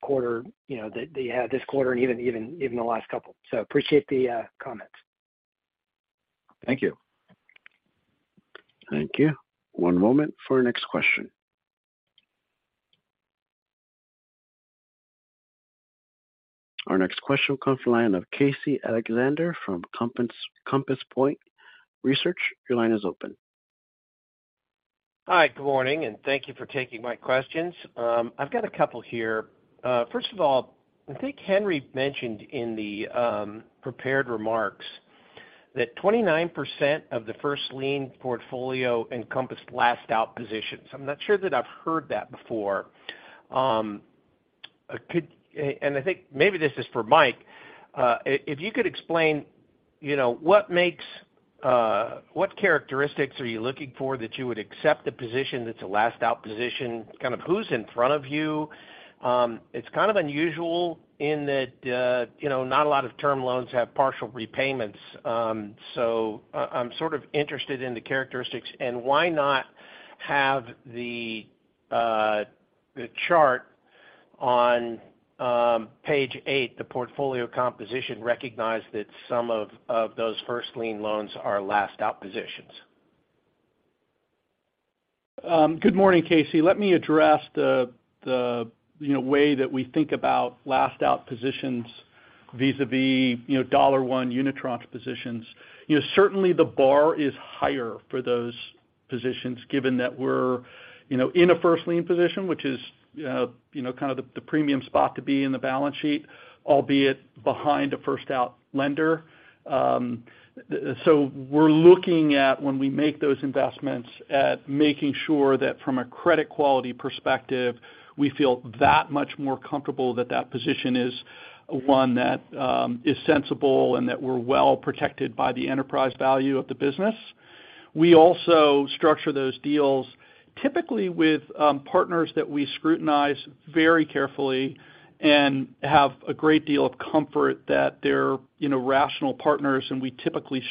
quarter, you know, that you had this quarter and even the last couple. Appreciate the comments. Thank you. Thank you. One moment for our next question. Our next question will come from the line of Casey Alexander from Compass Point Research. Your line is open. Hi, good morning, and thank you for taking my questions. I've got a couple here. First of all, I think Henri mentioned in the prepared remarks that 29% of the First Lien portfolio encompassed last out positions. I'm not sure that I've heard that before. Could I think maybe this is for Mike. If you could explain, you know, what makes, what characteristics are you looking for that you would accept a position that's a last out position, kind of who's in front of you? It's kind of unusual in that, you know, not a lot of term loans have partial repayments. I'm sort of interested in the characteristics and why not have the. on page eight, the portfolio composition recognized that some of those First Lien Loans are last out positions? Good morning, Casey. Let me address the, you know, way that we think about last out positions vis-a-vis, you know, dollar one unitranche positions. You know, certainly the bar is higher for those positions, given that we're, you know, in a First Lien position, which is, you know, kind of the premium spot to be in the balance sheet, albeit behind a first out lender. We're looking at, when we make those investments, at making sure that from a credit quality perspective, we feel that much more comfortable that that position is one that is sensible and that we're well protected by the enterprise value of the business. We also structure those deals, typically with partners that we scrutinize very carefully and have a great deal of comfort that they're, you know, rational partners, and we always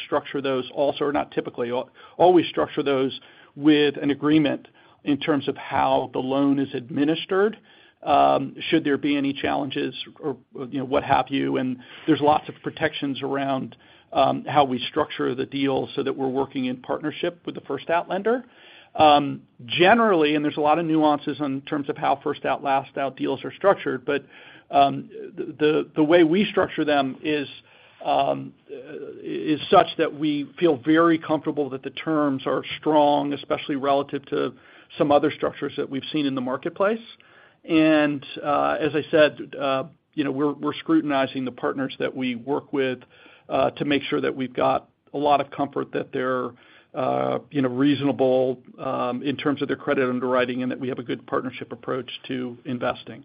structure those with an agreement in terms of how the loan is administered, should there be any challenges or, you know, what have you. There's lots of protections around how we structure the deal so that we're working in partnership with the first out lender. Generally, there's a lot of nuances in terms of how first out, last out deals are structured. The way we structure them is such that we feel very comfortable that the terms are strong, especially relative to some other structures that we've seen in the marketplace. as I said, you know, we're scrutinizing the partners that we work with, to make sure that we've got a lot of comfort that they're, you know, reasonable, in terms of their credit underwriting and that we have a good partnership approach to investing.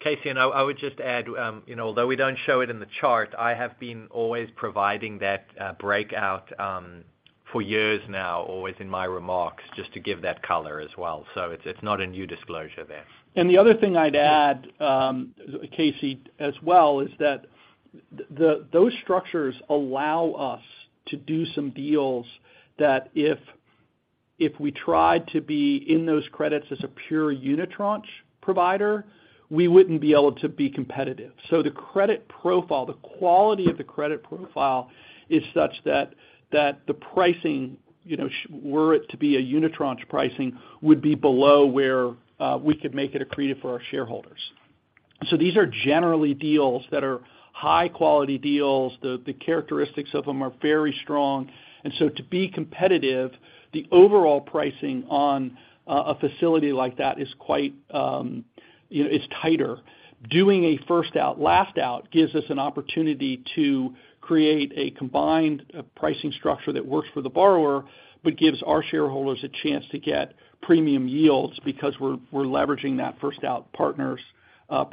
Casey, and I would just add, you know, although we don't show it in the chart, I have been always providing that breakout, for years now, always in my remarks, just to give that color as well. It's not a new disclosure there. The other thing I'd add, Casey, as well, is that the, those structures allow us to do some deals that if we tried to be in those credits as a pure unitranche provider, we wouldn't be able to be competitive. The credit profile, the quality of the credit profile is such that the pricing, you know, were it to be a unitranche pricing, would be below where we could make it accretive for our shareholders. These are generally deals that are high quality deals. The, the characteristics of them are very strong. To be competitive, the overall pricing on a facility like that is quite. You know, it's tighter. Doing a first out, last out, gives us an opportunity to create a combined pricing structure that works for the borrower, but gives our shareholders a chance to get premium yields because we're leveraging that first out partner's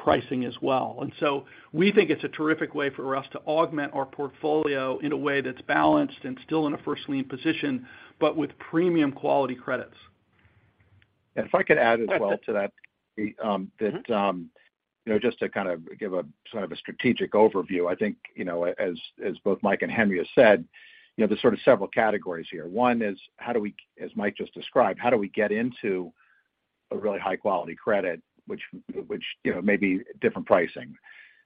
pricing as well. We think it's a terrific way for us to augment our portfolio in a way that's balanced and still in a First Lien position, but with premium quality credits. If I could add as well to that, you know, just to kind of give a sort of a strategic overview, I think, you know, as both Mike and Henri have said, you know, there's sort of several categories here. One is how do we, as Mike just described, how do we get into a really high quality credit, which, you know, may be different pricing?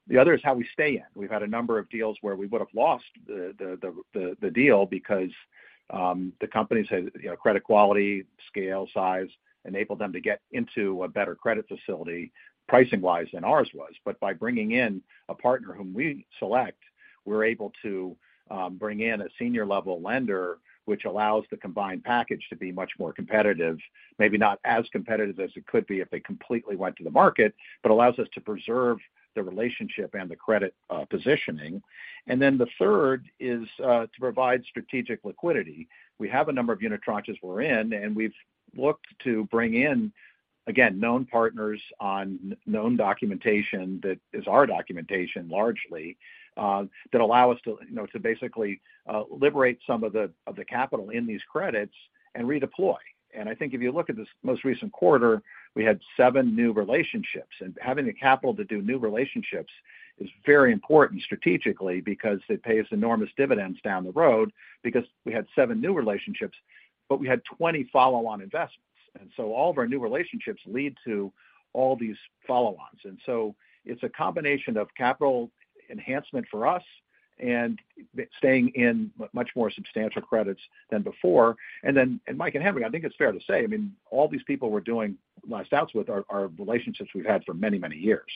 The other is how we stay in. We've had a number of deals where we would have lost the deal because the company's had, you know, credit quality, scale, size, enabled them to get into a better credit facility, pricing-wise than ours was. By bringing in a partner whom we select, we're able to bring in a senior level lender, which allows the combined package to be much more competitive. Maybe not as competitive as it could be if they completely went to the market, but allows us to preserve the relationship and the credit positioning. The third is to provide strategic liquidity. We have a number of unitranches we're in, and we've looked to bring in, again, known partners on known documentation that is our documentation largely, that allow us to, you know, to basically liberate some of the capital in these credits and redeploy. I think if you look at this most recent quarter, we had seven new relationships. Having the capital to do new relationships is very important strategically because it pays enormous dividends down the road because we had seven new relationships, but we had 20 follow-on investments. All of our new relationships lead to all these follow-ons. it's a combination of capital enhancement for us and staying in much more substantial credits than before. Mike and Henri, I think it's fair to say, I mean, all these people we're doing last outs with are relationships we've had for many, many years.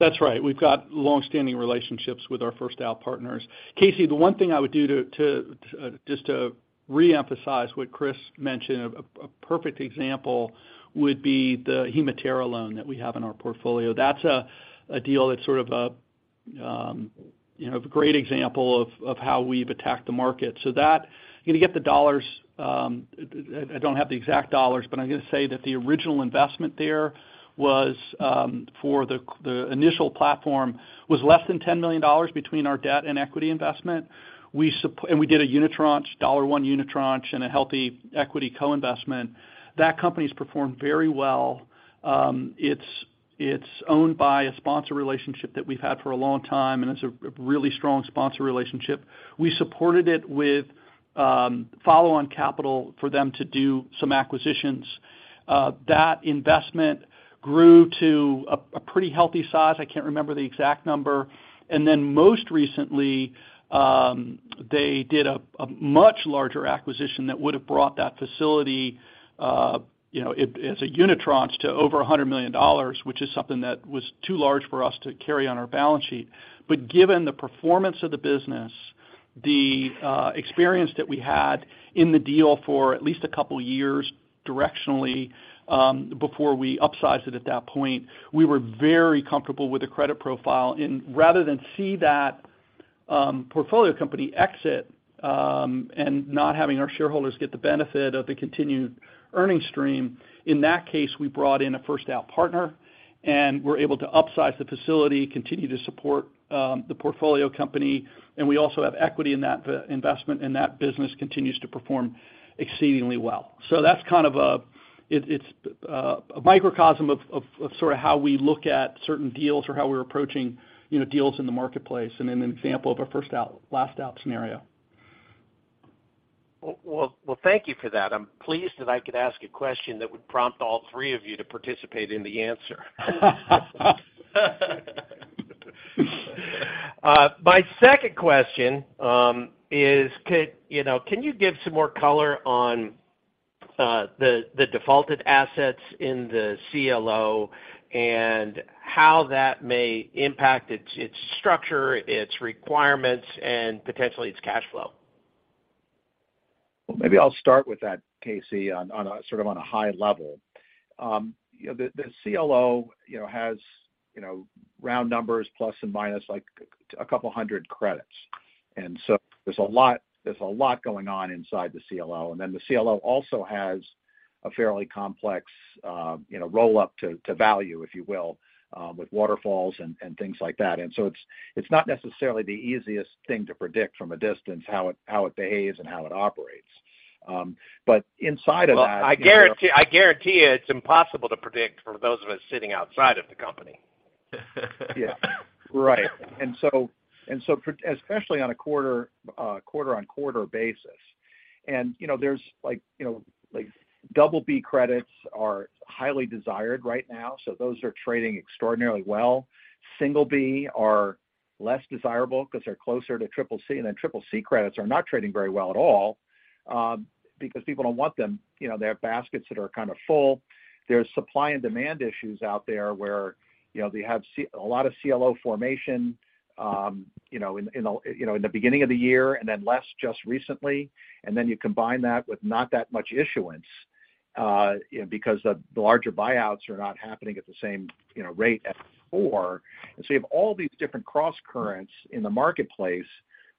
That's right. We've got longstanding relationships with our first out partners. Casey, the one thing I would do just to reemphasize what Chris mentioned, a perfect example would be the HemaTerra loan that we have in our portfolio. That's a deal that's sort of a, you know, a great example of how we've attacked the market. That, you're gonna get the dollars, I don't have the exact dollars, but I'm gonna say that the original investment there was for the initial platform, was less than $10 million between our debt and equity investment. We did a unitranche, dollar one unitranche, and a healthy equity co-investment. That company's performed very well. It's owned by a sponsor relationship that we've had for a long time, and it's a really strong sponsor relationship. We supported it with follow-on capital for them to do some acquisitions. That investment grew to a pretty healthy size. I can't remember the exact number. Most recently, they did a much larger acquisition that would have brought that facility, you know, as a unitranche to over $100 million, which is something that was too large for us to carry on our balance sheet. Given the performance of the business, the experience that we had in the deal for at least a couple of years directionally, before we upsized it at that point, we were very comfortable with the credit profile. Rather than see that, portfolio company exit, and not having our shareholders get the benefit of the continued earning stream, in that case, we brought in a first out partner, and we're able to upsize the facility, continue to support, the portfolio company, and we also have equity in that investment, and that business continues to perform exceedingly well. That's kind of a it's a microcosm of sort of how we look at certain deals or how we're approaching, you know, deals in the marketplace, and an example of a first out, last out scenario. Well, thank you for that. I'm pleased that I could ask a question that would prompt all three of you to participate in the answer. My second question is, you know, can you give some more color on the defaulted assets in the CLO and how that may impact its structure, its requirements, and potentially its cash flow? Well, maybe I'll start with that, Casey, on a, sort of on a high level. You know, the CLO, you know, has, you know, round numbers, plus or minus like a couple hundred credits. There's a lot going on inside the CLO. The CLO also has a fairly complex, you know, roll-up to value, if you will, with waterfalls and things like that. It's not necessarily the easiest thing to predict from a distance, how it behaves and how it operates. But inside of that- Well, I guarantee you, it's impossible to predict for those of us sitting outside of the company. Yeah. Right. especially on a quarter-on-quarter basis. You know, there's like, you know, like, BB credits are highly desired right now, so those are trading extraordinarily well. B are less desirable because they're closer to CCC, CCC credits are not trading very well at all because people don't want them. You know, they have baskets that are kind of full. There's supply and demand issues out there where, you know, they have a lot of CLO formation, you know, in a, you know, in the beginning of the year and then less just recently. You combine that with not that much issuance, you know, because the larger buyouts are not happening at the same, you know, rate as before. You have all these different crosscurrents in the marketplace,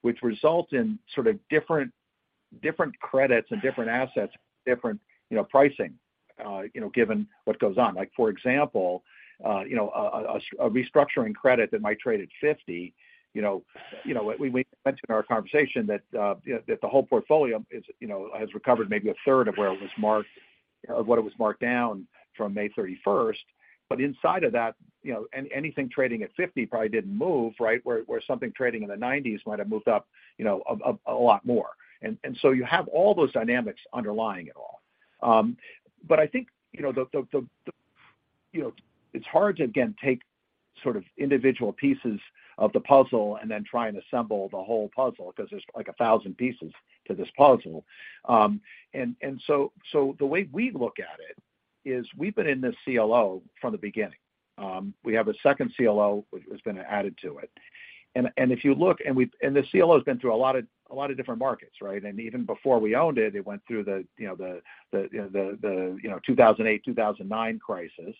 which result in sort of different credits and different assets, different, you know, pricing, you know, given what goes on. Like, for example, you know, a restructuring credit that might trade at $50, you know, we mentioned in our conversation that, you know, that the whole portfolio is, you know, has recovered maybe a third of where it was marked, of what it was marked down from May 31st. Inside of that, you know, anything trading at $50 probably didn't move, right? Where something trading in the $90s might have moved up, you know, a lot more. You have all those dynamics underlying it all. But I think, you know, the, the, you know, it's hard to, again, take sort of individual pieces of the puzzle and then try and assemble the whole puzzle because there's like a 1,000 pieces to this puzzle. So the way we look at it is we've been in this CLO from the beginning. We have a second CLO, which has been added to it. If you look, the CLO has been through a lot of, a lot of different markets, right? Even before we owned it went through the, you know, the, the, you know, 2008, 2009 crisis.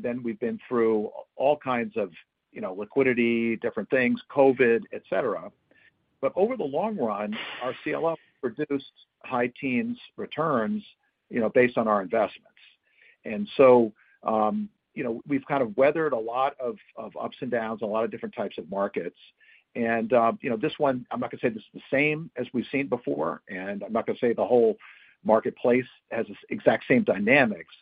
Then we've been through all kinds of, you know, liquidity, different things, COVID, et cetera. Over the long run, our CLO produced high teens returns, you know, based on our investments. You know, we've kind of weathered a lot of ups and downs and a lot of different types of markets. You know, this one, I'm not going to say this is the same as we've seen before, and I'm not going to say the whole marketplace has the exact same dynamics,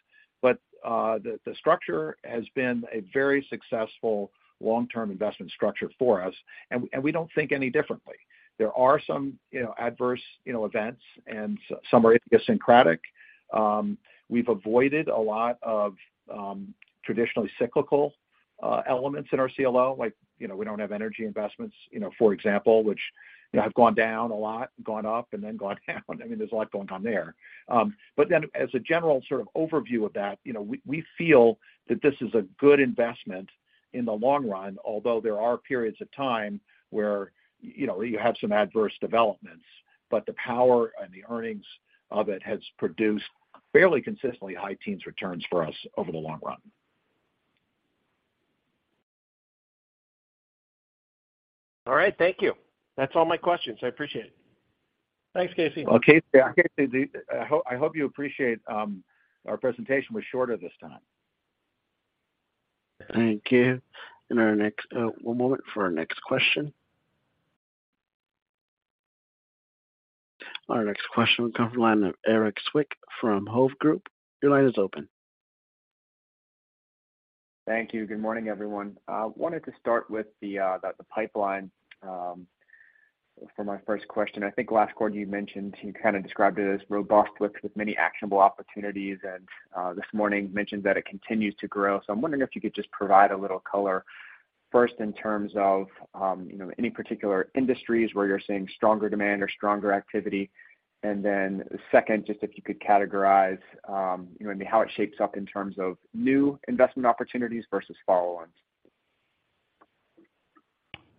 but the structure has been a very successful long-term investment structure for us, and we don't think any differently. There are some, you know, adverse, you know, events and some are idiosyncratic. We've avoided a lot of traditionally cyclical elements in our CLO. Like, you know, we don't have energy investments, you know, for example, which, you know, have gone down a lot, gone up, and then gone down. I mean, there's a lot going on there. As a general sort of overview of that, you know, we feel that this is a good investment in the long run, although there are periods of time where, you know, you have some adverse developments, but the power and the earnings of it has produced fairly consistently high teens returns for us over the long run. All right. Thank you. That's all my questions. I appreciate it. Thanks, Casey. Well, Casey, I hope you appreciate, our presentation was shorter this time. Thank you. Our next, one moment for our next question. Our next question will come from the line of Erik Zwick from Hovde Group. Your line is open. Thank you. Good morning, everyone. I wanted to start with the pipeline for my first question. I think last quarter you mentioned, you kind of described it as robust with many actionable opportunities. This morning mentioned that it continues to grow. I'm wondering if you could just provide a little color, first, in terms of, you know, any particular industries where you're seeing stronger demand or stronger activity. Then second, just if you could categorize, you know, maybe how it shapes up in terms of new investment opportunities versus follow-ons.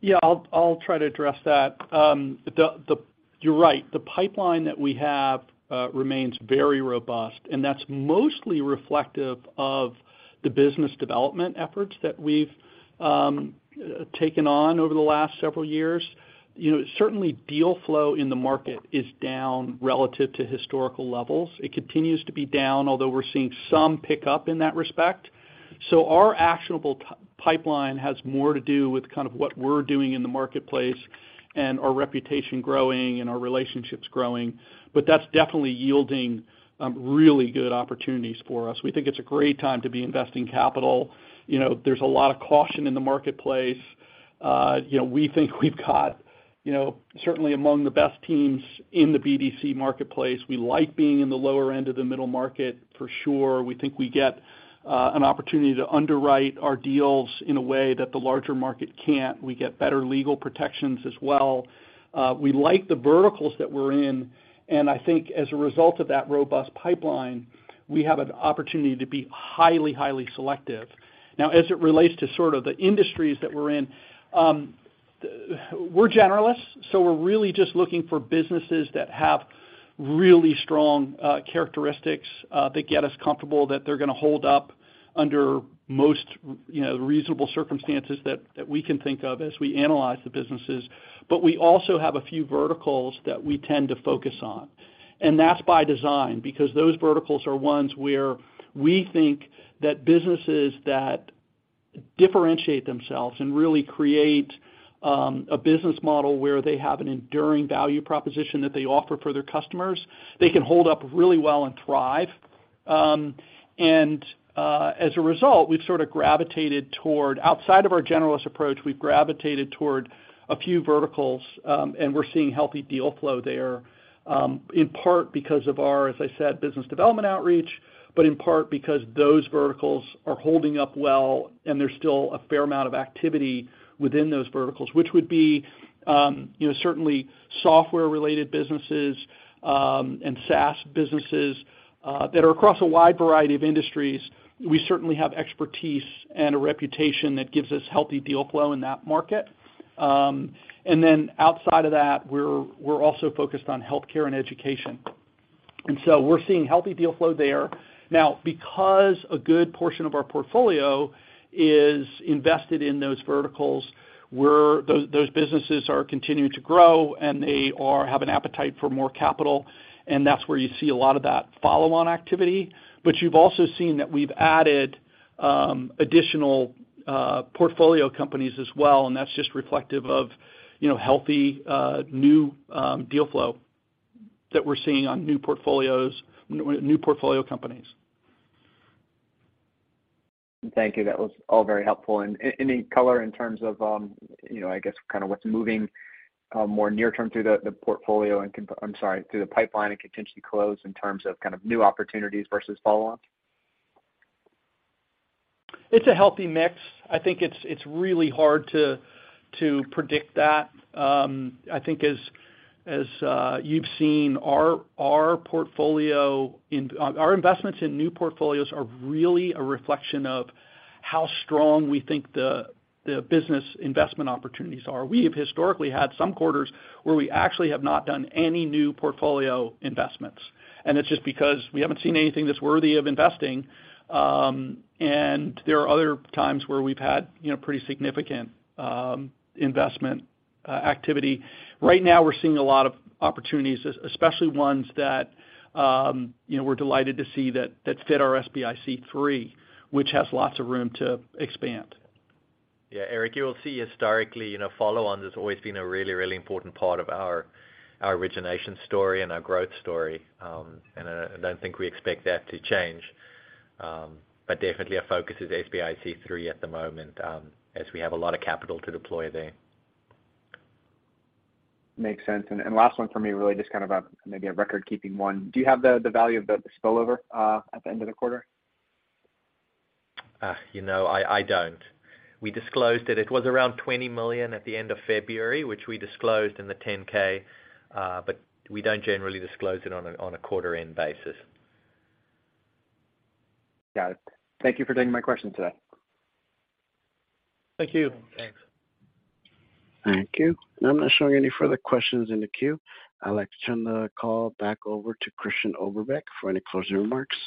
Yeah, I'll try to address that. You're right, the pipeline that we have remains very robust, and that's mostly reflective of the business development efforts that we've taken on over the last several years. You know, certainly deal flow in the market is down relative to historical levels. It continues to be down, although we're seeing some pickup in that respect. Our actionable pipeline has more to do with kind of what we're doing in the marketplace and our reputation growing and our relationships growing. That's definitely yielding really good opportunities for us. We think it's a great time to be investing capital. You know, there's a lot of caution in the marketplace. You know, we think we've got, you know, certainly among the best teams in the BDC marketplace. We like being in the lower end of the middle market for sure. We think we get an opportunity to underwrite our deals in a way that the larger market can't. We get better legal protections as well. We like the verticals that we're in, and I think as a result of that robust pipeline, we have an opportunity to be highly selective. As it relates to sort of the industries that we're in, we're generalists, so we're really just looking for businesses that have really strong characteristics that get us comfortable that they're gonna hold up under most, you know, reasonable circumstances that we can think of as we analyze the businesses. We also have a few verticals that we tend to focus on, and that's by design, because those verticals are ones where we think that businesses that differentiate themselves and really create a business model where they have an enduring value proposition that they offer for their customers, they can hold up really well and thrive. As a result, Outside of our generalist approach, we've gravitated toward a few verticals, and we're seeing healthy deal flow there, in part because of our, as I said, business development outreach, but in part because those verticals are holding up well, and there's still a fair amount of activity within those verticals, which would be, you know, certainly software-related businesses, and SaaS businesses that are across a wide variety of industries. We certainly have expertise and a reputation that gives us healthy deal flow in that market. Then outside of that, we're also focused on healthcare and education. So we're seeing healthy deal flow there. Now, because a good portion of our portfolio is invested in those verticals, those businesses are continuing to grow, and they have an appetite for more capital, and that's where you see a lot of that follow-on activity. You've also seen that we've added additional portfolio companies as well, and that's just reflective of, you know, healthy new deal flow that we're seeing on new portfolios, new portfolio companies. Thank you. That was all very helpful. Any color in terms of, you know, I guess, kind of what's moving more near term through the portfolio, I'm sorry, through the pipeline and potentially close in terms of kind of new opportunities versus follow on? It's a healthy mix. I think it's really hard to predict that. I think as you've seen, our portfolio in our investments in new portfolios are really a reflection of how strong we think the business investment opportunities are. We have historically had some quarters where we actually have not done any new portfolio investments, and it's just because we haven't seen anything that's worthy of investing. There are other times where we've had, you know, pretty significant investment activity. Right now, we're seeing a lot of opportunities, especially ones that, you know, we're delighted to see that fit our SBIC III, which has lots of room to expand. Yeah, Erik, you will see historically, you know, follow-on has always been a really, really important part of our origination story and our growth story. I don't think we expect that to change. Definitely our focus is SBIC III at the moment, as we have a lot of capital to deploy there. Makes sense. Last one for me, really, just kind of a, maybe a record-keeping one. Do you have the value of the spillover at the end of the quarter? You know, I don't. We disclosed it. It was around $20 million at the end of February, which we disclosed in the 10-K, but we don't generally disclose it on a, on a quarter-end basis. Got it. Thank you for taking my questions today. Thank you. Thanks. Thank you. I'm not showing any further questions in the queue. I'd like to turn the call back over to Christian Oberbeck for any closing remarks.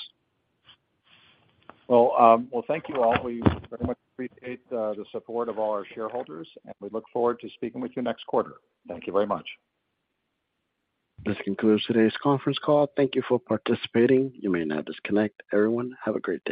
Well, thank you all. We very much appreciate the support of all our shareholders. We look forward to speaking with you next quarter. Thank you very much. This concludes today's conference call. Thank you for participating. You may now disconnect. Everyone, have a great day.